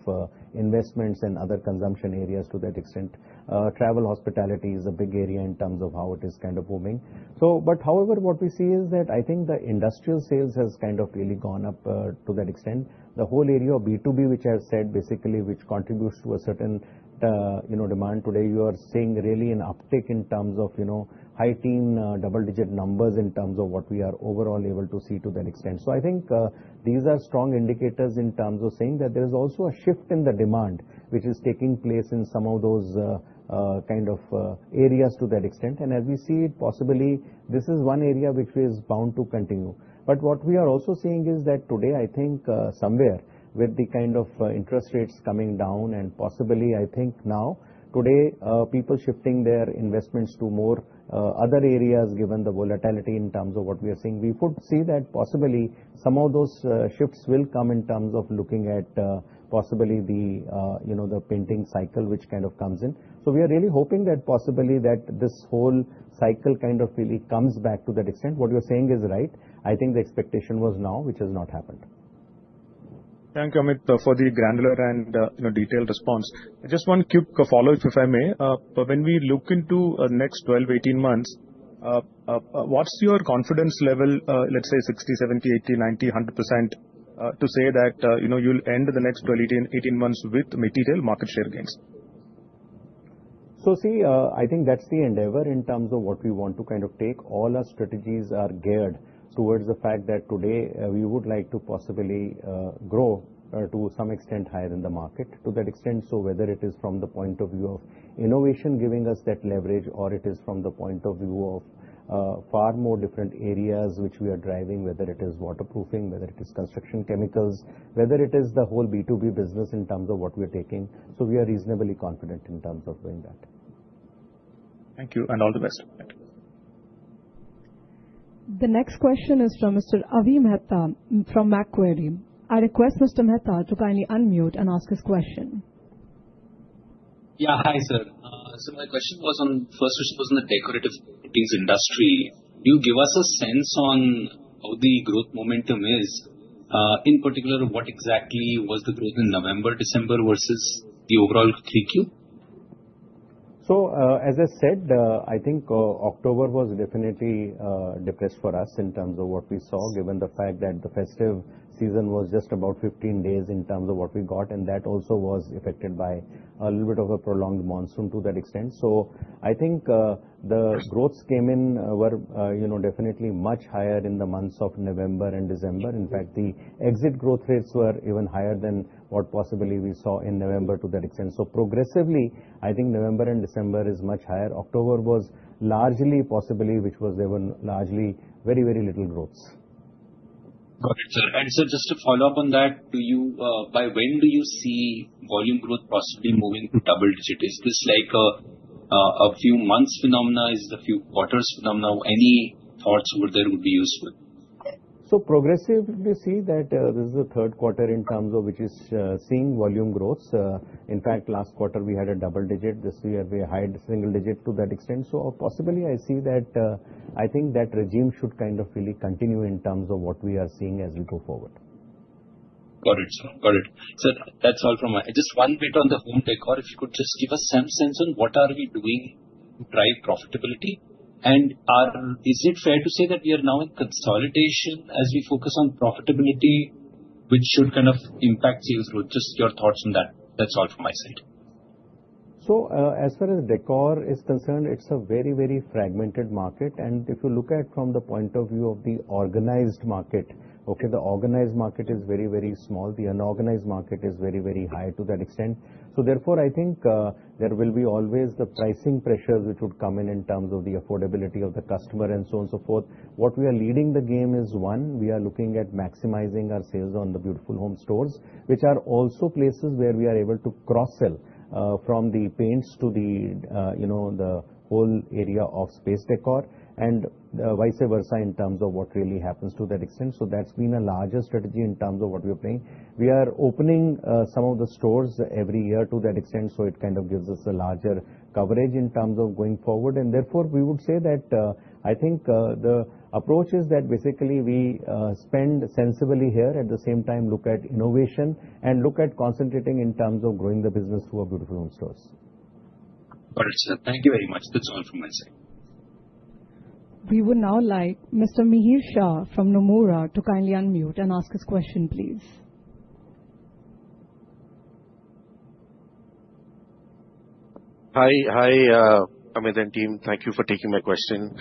investments and other consumption areas to that extent. Travel, hospitality is a big area in terms of how it is kind of booming. However, what we see is that I think the industrial sales has kind of really gone up, to that extent. The whole area of B2B, which I said basically, which contributes to a certain, you know, demand today, you are seeing really an uptick in terms of, you know, high-teen, double-digit numbers in terms of what we are overall able to see to that extent. So I think, these are strong indicators in terms of saying that there is also a shift in the demand, which is taking place in some of those, kind of, areas to that extent. And as we see it, possibly, this is one area which is bound to continue. But what we are also seeing is that today, I think, somewhere with the kind of interest rates coming down and possibly, I think now, today, people shifting their investments to more other areas, given the volatility in terms of what we are seeing. We could see that possibly some of those shifts will come in terms of looking at possibly the you know, the painting cycle, which kind of comes in. So we are really hoping that possibly that this whole cycle kind of really comes back to that extent. What you're saying is right. I think the expectation was now, which has not happened. Thanks, Amit, for the granular and, you know, detailed response. Just one quick follow-up, if I may. When we look into next 12 months, 18 months, what's your confidence level, let's say 60%, 70%, 80%, 90%, 100%, to say that, you know, you'll end the next 12 months, 18 months with material market share gains? So, see, I think that's the endeavor in terms of what we want to kind of take. All our strategies are geared towards the fact that today, we would like to possibly grow, to some extent, higher than the market. To that extent, so whether it is from the point of view of innovation, giving us that leverage, or it is from the point of view of far more different areas which we are driving, whether it is waterproofing, whether it is construction chemicals, whether it is the whole B2B business in terms of what we are taking. So we are reasonably confident in terms of doing that. Thank you, and all the best. Thank you. The next question is from Mr. Avi Mehta from Macquarie. I request Mr. Mehta to kindly unmute and ask his question. Yeah. Hi, sir. So my question was on, first was on the decorative paints industry. Can you give us a sense on how the growth momentum is? In particular, what exactly was the growth in November, December, versus the overall 3Q? So, as I said, I think, October was definitely depressed for us in terms of what we saw, given the fact that the festive season was just about 15 days in terms of what we got, and that also was affected by a little bit of a prolonged monsoon to that extent. So I think, the growths came in were, you know, definitely much higher in the months of November and December. In fact, the exit growth rates were even higher than what possibly we saw in November to that extent. So progressively, I think November and December is much higher. October was largely possibly, which was there were largely very, very little growths. Got it, sir. And sir, just to follow up on that, by when do you see volume growth possibly moving to double digit? Is this like a few months phenomenon? Is it a few quarters phenomenon? Any thoughts over there would be useful. So progressively, we see that this is the third quarter in terms of which is seeing volume growth. In fact, last quarter we had a double digit. This year, we had high single digit to that extent. So possibly, I see that I think that regime should kind of really continue in terms of what we are seeing as we go forward. Got it, sir. Got it. So that's all from me. Just one bit on the home décor, if you could just give us some sense on what are we doing to drive profitability? And is it fair to say that we are now in consolidation as we focus on profitability, which should kind of impact sales growth? Just your thoughts on that. That's all from my side. So, as far as décor is concerned, it's a very, very fragmented market. And if you look at from the point of view of the organized market, okay, the organized market is very, very small. The unorganized market is very, very high to that extent. So therefore, I think, there will be always the pricing pressures which would come in, in terms of the affordability of the customer and so on, so forth. What we are leading the game is, one, we are looking at maximizing our sales on the Beautiful Homes stores, which are also places where we are able to cross-sell, from the paints to the, you know, the whole area of space décor, and, vice versa in terms of what really happens to that extent. So that's been a larger strategy in terms of what we are playing. We are opening some of the stores every year to that extent, so it kind of gives us a larger coverage in terms of going forward. And therefore, we would say that, I think, the approach is that basically we spend sensibly here, at the same time, look at innovation and look at concentrating in terms of growing the business through our Beautiful Homes stores. Got it, sir. Thank you very much. That's all from my side. We would now like Mr. Mihir Shah from Nomura to kindly unmute and ask his question, please. Hi. Hi, Amit and team. Thank you for taking my question.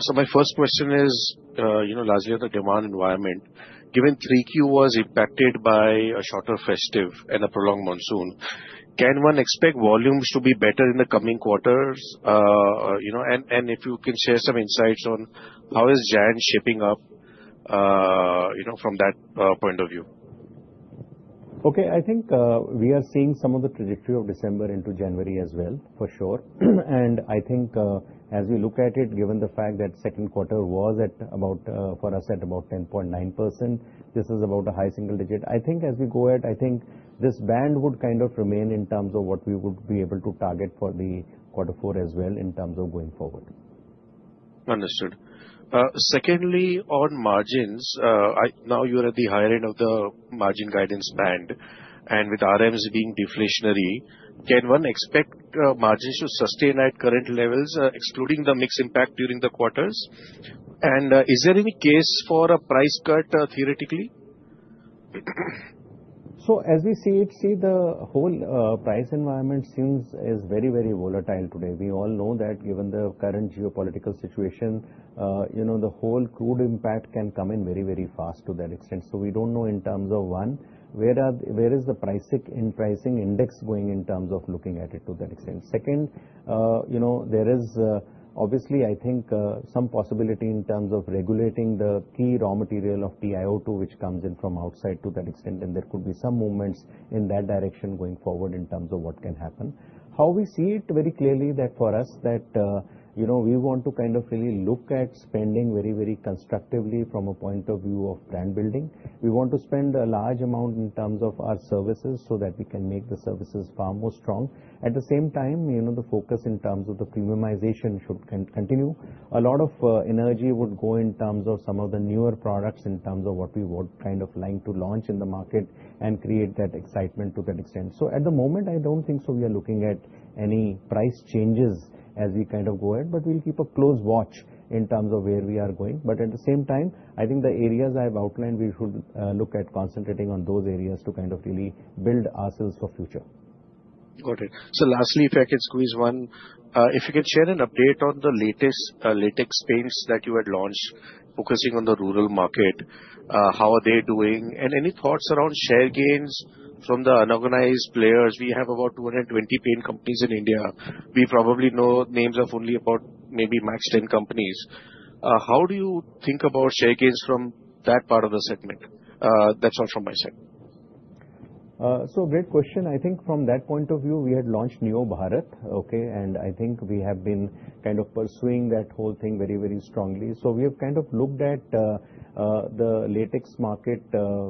So my first question is, you know, lastly, on the demand environment, given 3Q was impacted by a shorter festive and a prolonged monsoon, can one expect volumes to be better in the coming quarters? You know, and, and if you can share some insights on how is Jan shaping up, you know, from that, point of view? Okay, I think, we are seeing some of the trajectory of December into January as well, for sure. And I think, as we look at it, given the fact that second quarter was at about, for us, at about 10.9%, this is about a high single digit. I think as we go ahead, I think this band would kind of remain in terms of what we would be able to target for the quarter four as well, in terms of going forward. Understood. Secondly, on margins, Now, you are at the higher end of the margin guidance band, and with RMs being deflationary, can one expect margins to sustain at current levels, excluding the mix impact during the quarters? And, is there any case for a price cut, theoretically? So as we see it, the whole price environment seems very, very volatile today. We all know that given the current geopolitical situation, you know, the whole crude impact can come in very, very fast to that extent. So we don't know in terms of, one, where is the pricing, in pricing index going in terms of looking at it to that extent. Second, you know, there is obviously, I think, some possibility in terms of regulating the key raw material of TiO2, which comes in from outside to that extent, and there could be some movements in that direction going forward in terms of what can happen. How we see it very clearly that for us, that, you know, we want to kind of really look at spending very, very constructively from a point of view of brand building. We want to spend a large amount in terms of our services, so that we can make the services far more strong. At the same time, you know, the focus in terms of the premiumization should continue. A lot of energy would go in terms of some of the newer products, in terms of what we would kind of like to launch in the market and create that excitement to that extent. So at the moment, I don't think so we are looking at any price changes as we kind of go ahead, but we'll keep a close watch in terms of where we are going. But at the same time, I think the areas I've outlined, we should look at concentrating on those areas to kind of really build ourselves for future.... Got it. So lastly, if I could squeeze one, if you could share an update on the latest latex paints that you had launched, focusing on the rural market, how are they doing? And any thoughts around share gains from the unorganized players? We have about 220 paint companies in India. We probably know names of only about maybe max 10 companies. How do you think about share gains from that part of the segment? That's all from my side. So great question. I think from that point of view, we had launched NeoBharat, okay? And I think we have been kind of pursuing that whole thing very, very strongly. So we have kind of looked at the latex market,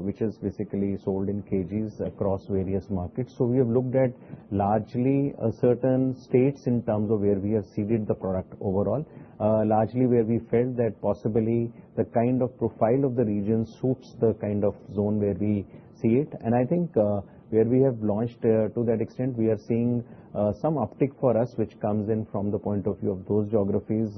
which is basically sold in KGs across various markets. So we have looked at largely certain states in terms of where we have seeded the product overall. Largely where we felt that possibly the kind of profile of the region suits the kind of zone where we see it. And I think where we have launched to that extent, we are seeing some uptick for us, which comes in from the point of view of those geographies,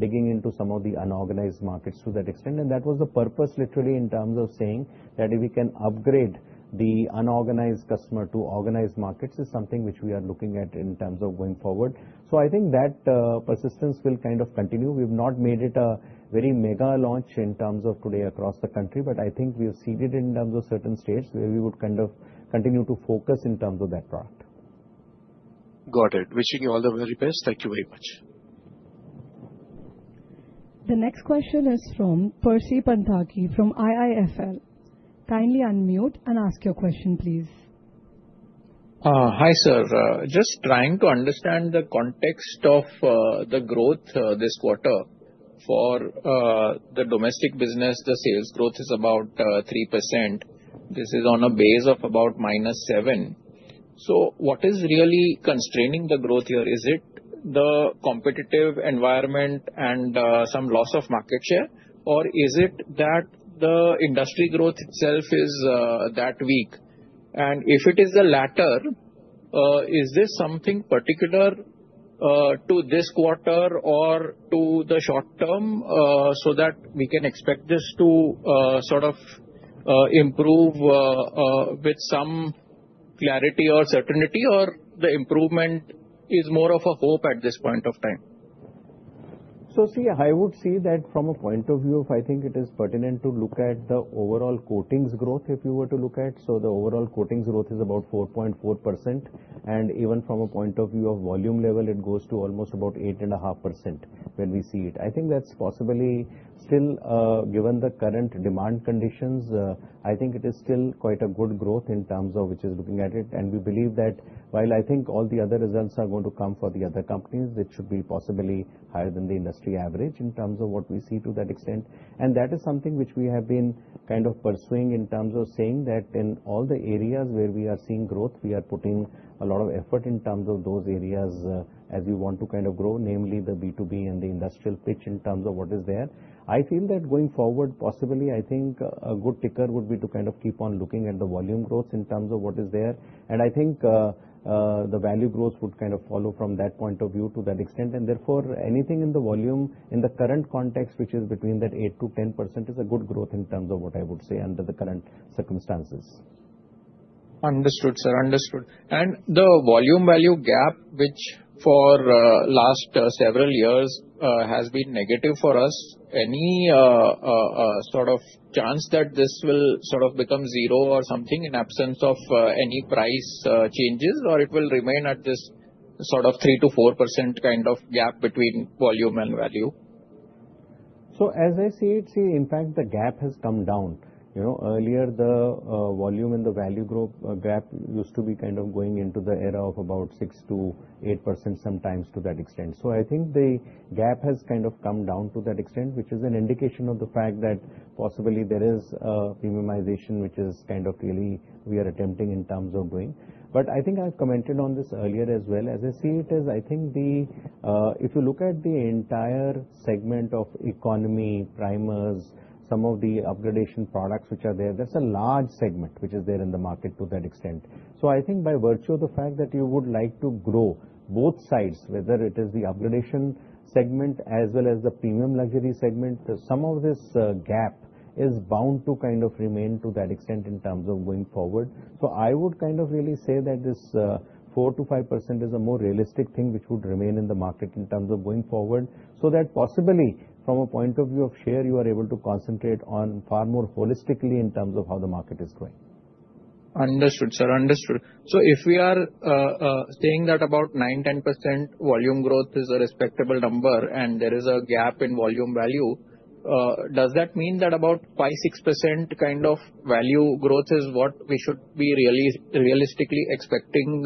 digging into some of the unorganized markets to that extent. That was the purpose, literally, in terms of saying that if we can upgrade the unorganized customer to organized markets, is something which we are looking at in terms of going forward. I think that persistence will kind of continue. We've not made it a very mega launch in terms of today across the country, but I think we have seeded in terms of certain states where we would kind of continue to focus in terms of that product. Got it. Wishing you all the very best. Thank you very much. The next question is from Percy Panthaki, from IIFL. Kindly unmute and ask your question, please. Hi, sir. Just trying to understand the context of the growth this quarter. For the domestic business, the sales growth is about 3%. This is on a base of about -7%. So what is really constraining the growth here? Is it the competitive environment and some loss of market share, or is it that the industry growth itself is that weak? And if it is the latter, is this something particular to this quarter or to the short term, so that we can expect this to sort of improve with some clarity or certainty, or the improvement is more of a hope at this point of time? So, see, I would say that from a point of view, I think it is pertinent to look at the overall coatings growth, if you were to look at. So the overall coatings growth is about 4.4%, and even from a point of view of volume level, it goes to almost about 8.5% when we see it. I think that's possibly still, given the current demand conditions, I think it is still quite a good growth in terms of which is looking at it. And we believe that while I think all the other results are going to come for the other companies, it should be possibly higher than the industry average in terms of what we see to that extent. That is something which we have been kind of pursuing in terms of saying that in all the areas where we are seeing growth, we are putting a lot of effort in terms of those areas, as we want to kind of grow, namely the B2B and the industrial paints, in terms of what is there. I feel that going forward, possibly, I think a, a good metric would be to kind of keep on looking at the volume growth in terms of what is there. And I think, the value growth would kind of follow from that point of view to that extent. And therefore, anything in the volume, in the current context, which is between that 8%-10%, is a good growth in terms of what I would say under the current circumstances. Understood, sir. Understood. The volume-value gap, which for last several years has been negative for us, any sort of chance that this will sort of become zero or something in absence of any price changes, or it will remain at this sort of 3%-4% kind of gap between volume and value? So as I see it, see, in fact, the gap has come down. You know, earlier, the volume and the value growth gap used to be kind of going into the era of about 6%-8%, sometimes to that extent. So I think the gap has kind of come down to that extent, which is an indication of the fact that possibly there is a premiumization, which is kind of really we are attempting in terms of doing. But I think I've commented on this earlier as well. As I see it, is I think the If you look at the entire segment of economy, primers, some of the upgradation products which are there, that's a large segment which is there in the market to that extent. So I think by virtue of the fact that you would like to grow both sides, whether it is the upgradation segment as well as the premium luxury segment, some of this gap is bound to kind of remain to that extent in terms of going forward. So I would kind of really say that this 4%-5% is a more realistic thing, which would remain in the market in terms of going forward. So that possibly from a point of view of share, you are able to concentrate on far more holistically in terms of how the market is going. Understood, sir. Understood. So if we are saying that about 9%-10% volume growth is a respectable number, and there is a gap in volume value, does that mean that about 5%-6% kind of value growth is what we should be really, realistically expecting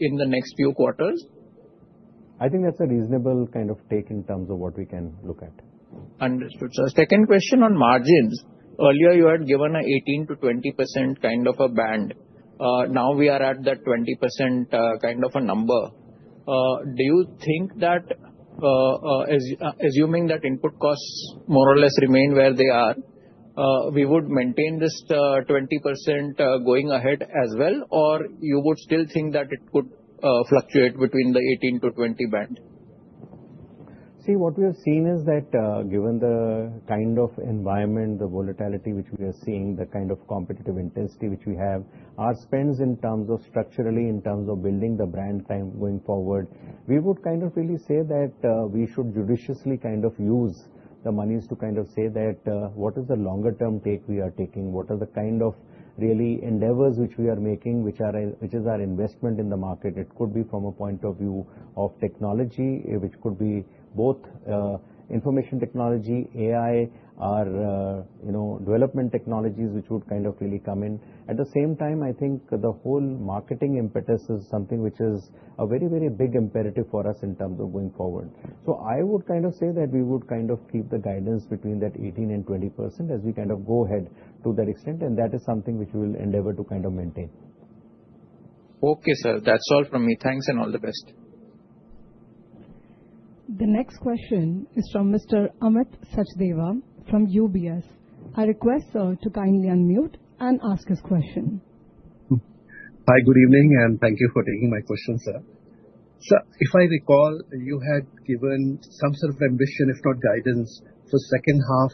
in the next few quarters? I think that's a reasonable kind of take in terms of what we can look at. Understood, sir. Second question on margins. Earlier, you had given an 18%-20% kind of a band. Now we are at that 20% kind of a number. Do you think that assuming that input costs more or less remain where they are, we would maintain this 20% going ahead as well, or you would still think that it could fluctuate between the 18%-20% band? ...See, what we have seen is that, given the kind of environment, the volatility which we are seeing, the kind of competitive intensity which we have, our spends in terms of structurally, in terms of building the brand kind going forward, we would kind of really say that, we should judiciously kind of use the monies to kind of say that, what is the longer term take we are taking? What are the kind of really endeavors which we are making, which are, which is our investment in the market? It could be from a point of view of technology, it which could be both, information technology, AI, or, you know, development technologies, which would kind of really come in. At the same time, I think the whole marketing impetus is something which is a very, very big imperative for us in terms of going forward. So I would kind of say that we would kind of keep the guidance between 18% and 20% as we kind of go ahead to that extent, and that is something which we will endeavor to kind of maintain. Okay, sir. That's all from me. Thanks, and all the best. The next question is from Mr. Amit Sachdeva from UBS. I request, sir, to kindly unmute and ask his question. Hi, good evening, and thank you for taking my question, sir. Sir, if I recall, you had given some sort of ambition, if not guidance, for second half,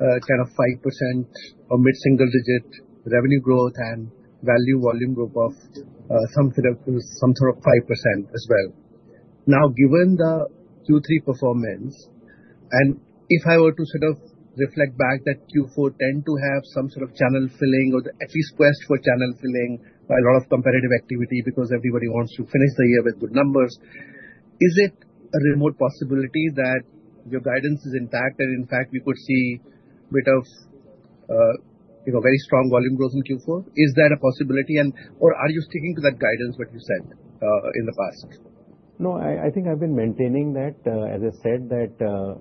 kind of 5% or mid-single digit revenue growth and value volume growth of, some sort of, some sort of 5% as well. Now, given the Q3 performance, and if I were to sort of reflect back that Q4 tend to have some sort of channel filling, or at least quest for channel filling, by a lot of competitive activity, because everybody wants to finish the year with good numbers. Is it a remote possibility that your guidance is intact, and in fact, we could see bit of, you know, very strong volume growth in Q4? Is that a possibility? And-- or are you sticking to that guidance what you said, in the past? No, I, I think I've been maintaining that, as I said, that,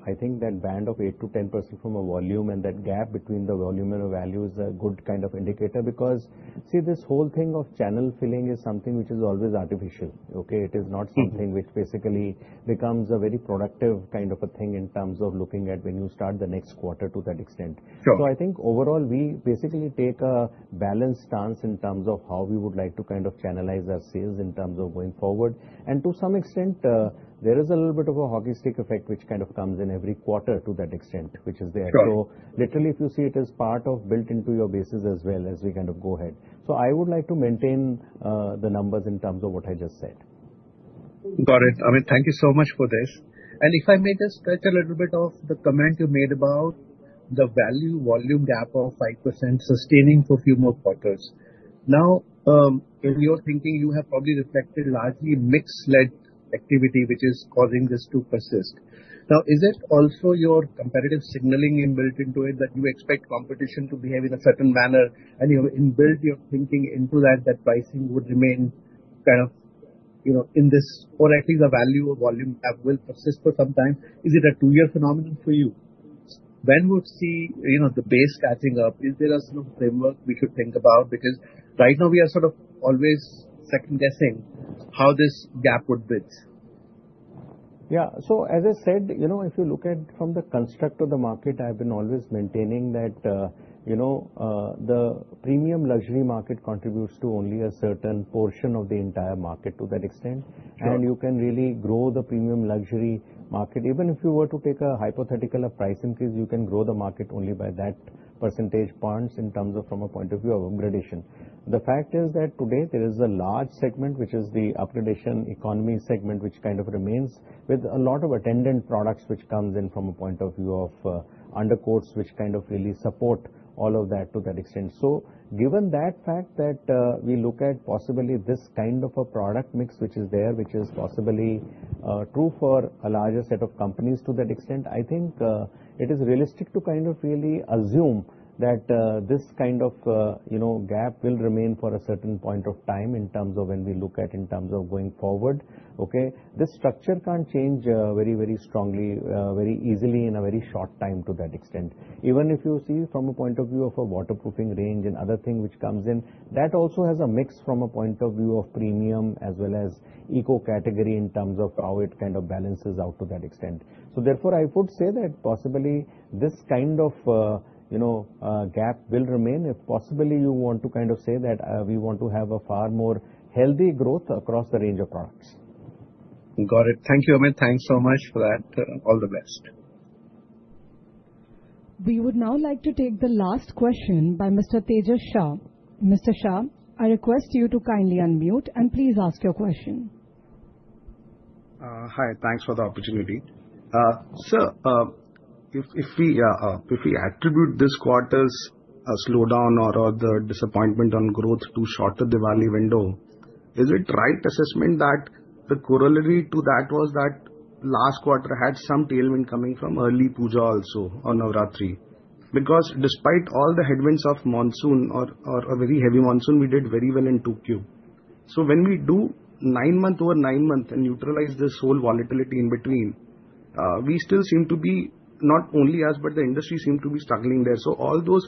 I think that band of 8%-10% from a volume and that gap between the volume and the value is a good kind of indicator. Because, see, this whole thing of channel filling is something which is always artificial, okay? It is not something which basically becomes a very productive kind of a thing in terms of looking at when you start the next quarter to that extent. Sure. I think overall, we basically take a balanced stance in terms of how we would like to kind of channelize our sales in terms of going forward. To some extent, there is a little bit of a hockey stick effect, which kind of comes in every quarter to that extent, which is there. Got it. So literally, if you see it as part of built into your business as well, as we kind of go ahead. So I would like to maintain the numbers in terms of what I just said. Got it. Amit, thank you so much for this. If I may just touch a little bit on the comment you made about the value volume gap of 5% sustaining for a few more quarters. Now, in your thinking, you have probably reflected largely mix-led activity, which is causing this to persist. Now, is that also your competitive signaling inbuilt into it, that you expect competition to behave in a certain manner, and, you know, build your thinking into that, that pricing would remain kind of, you know, in this... Or at least the value volume gap will persist for some time? Is it a two-year phenomenon for you? When we'll see, you know, the base catching up? Is there a sort of framework we should think about? Because right now we are sort of always second-guessing how this gap would build. Yeah. So as I said, you know, if you look at from the construct of the market, I've been always maintaining that, you know, the premium luxury market contributes to only a certain portion of the entire market to that extent. Sure. You can really grow the premium luxury market. Even if you were to take a hypothetical of price increase, you can grow the market only by that percentage points in terms of from a point of view of upgradation. The fact is that today there is a large segment, which is the upgradation economy segment, which kind of remains with a lot of attendant products, which comes in from a point of view of undercoats, which kind of really support all of that to that extent. Given that fact that we look at possibly this kind of a product mix which is there, which is possibly true for a larger set of companies to that extent, I think it is realistic to kind of really assume that this kind of, you know, gap will remain for a certain point of time in terms of when we look at in terms of going forward, okay? This structure can't change very, very strongly very easily in a very short time to that extent. Even if you see from a point of view of a waterproofing range and other thing which comes in, that also has a mix from a point of view of premium as well as eco category in terms of how it kind of balances out to that extent. So therefore, I would say that possibly this kind of, you know, gap will remain, if possibly you want to kind of say that, we want to have a far more healthy growth across the range of products. Got it. Thank you, Amit. Thanks so much for that. All the best. We would now like to take the last question by Mr. Tejas Shah. Mr. Shah, I request you to kindly unmute, and please ask your question. Hi, thanks for the opportunity. Sir, if we attribute this quarter's slowdown or the disappointment on growth to shorter Diwali window, is it right assessment that the corollary to that was that last quarter had some tailwind coming from early Puja also or Navratri? Because despite all the headwinds of monsoon or a very heavy monsoon, we did very well in 2Q. So when we do nine-month over nine-month and neutralize this whole volatility in between, we still seem to be, not only us, but the industry seem to be struggling there. So all those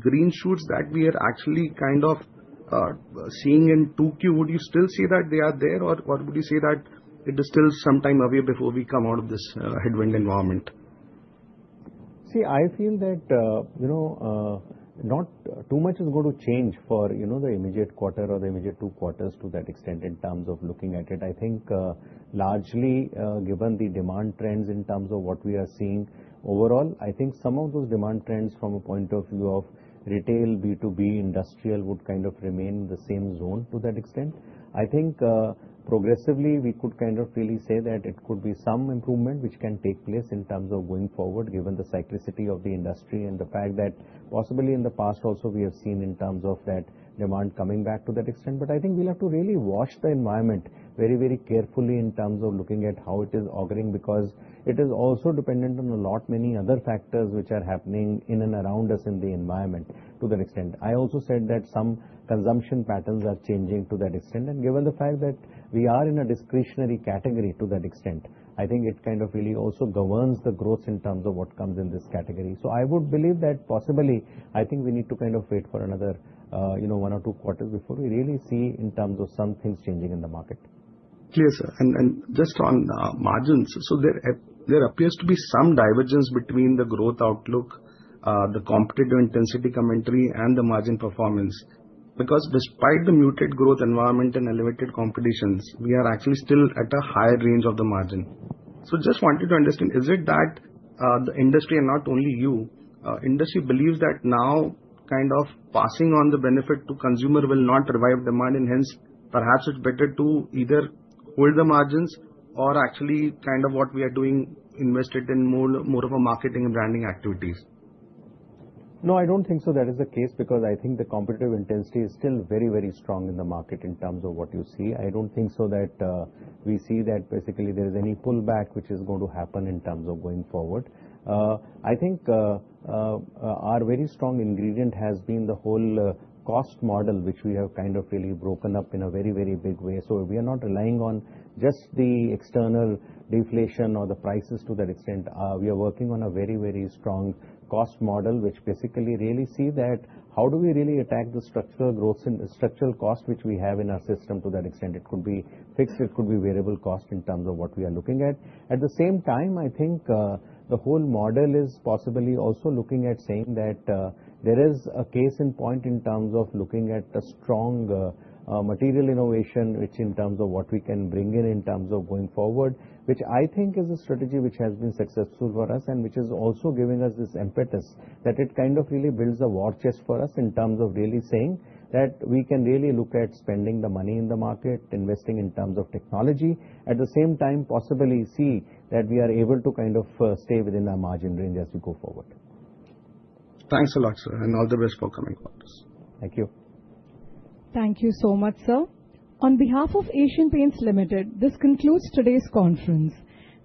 green shoots that we are actually kind of seeing in 2Q, would you still say that they are there? Or would you say that it is still some time away before we come out of this headwind environment? ...See, I feel that, you know, not too much is going to change for, you know, the immediate quarter or the immediate two quarters to that extent, in terms of looking at it. I think, largely, given the demand trends in terms of what we are seeing overall, I think some of those demand trends from a point of view of retail, B2B, industrial, would kind of remain in the same zone to that extent. I think, progressively, we could kind of really say that it could be some improvement which can take place in terms of going forward, given the cyclicity of the industry and the fact that possibly in the past also, we have seen in terms of that demand coming back to that extent. But I think we'll have to really watch the environment very, very carefully in terms of looking at how it is occurring, because it is also dependent on a lot many other factors which are happening in and around us in the environment, to that extent. I also said that some consumption patterns are changing to that extent, and given the fact that we are in a discretionary category to that extent, I think it kind of really also governs the growth in terms of what comes in this category. So I would believe that possibly, I think we need to kind of wait for another, you know, one or two quarters before we really see in terms of some things changing in the market. Yes, and just on margins. So there appears to be some divergence between the growth outlook, the competitive intensity commentary, and the margin performance, because despite the muted growth environment and elevated competitions, we are actually still at a higher range of the margin. So just wanted to understand, is it that the industry and not only you, industry believes that now kind of passing on the benefit to consumer will not revive demand, and hence, perhaps it's better to either hold the margins or actually kind of what we are doing, invest it in more of a marketing and branding activities? No, I don't think so that is the case, because I think the competitive intensity is still very, very strong in the market in terms of what you see. I don't think so that, we see that basically there is any pullback which is going to happen in terms of going forward. I think, our very strong ingredient has been the whole, cost model, which we have kind of really broken up in a very, very big way. So we are not relying on just the external deflation or the prices to that extent. We are working on a very, very strong cost model, which basically really see that how do we really attack the structural growth and the structural cost which we have in our system to that extent? It could be fixed, it could be variable cost in terms of what we are looking at. At the same time, I think, the whole model is possibly also looking at saying that, there is a case in point in terms of looking at a strong, material innovation, which in terms of what we can bring in, in terms of going forward, which I think is a strategy which has been successful for us, and which has also given us this impetus, that it kind of really builds a war chest for us in terms of really saying that we can really look at spending the money in the market, investing in terms of technology. At the same time, possibly see that we are able to kind of, stay within our margin range as we go forward. Thanks a lot, sir, and all the best for coming quarters. Thank you. Thank you so much, sir. On behalf of Asian Paints Limited, this concludes today's conference.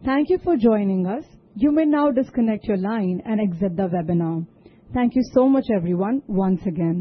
Thank you for joining us. You may now disconnect your line and exit the webinar. Thank you so much, everyone, once again.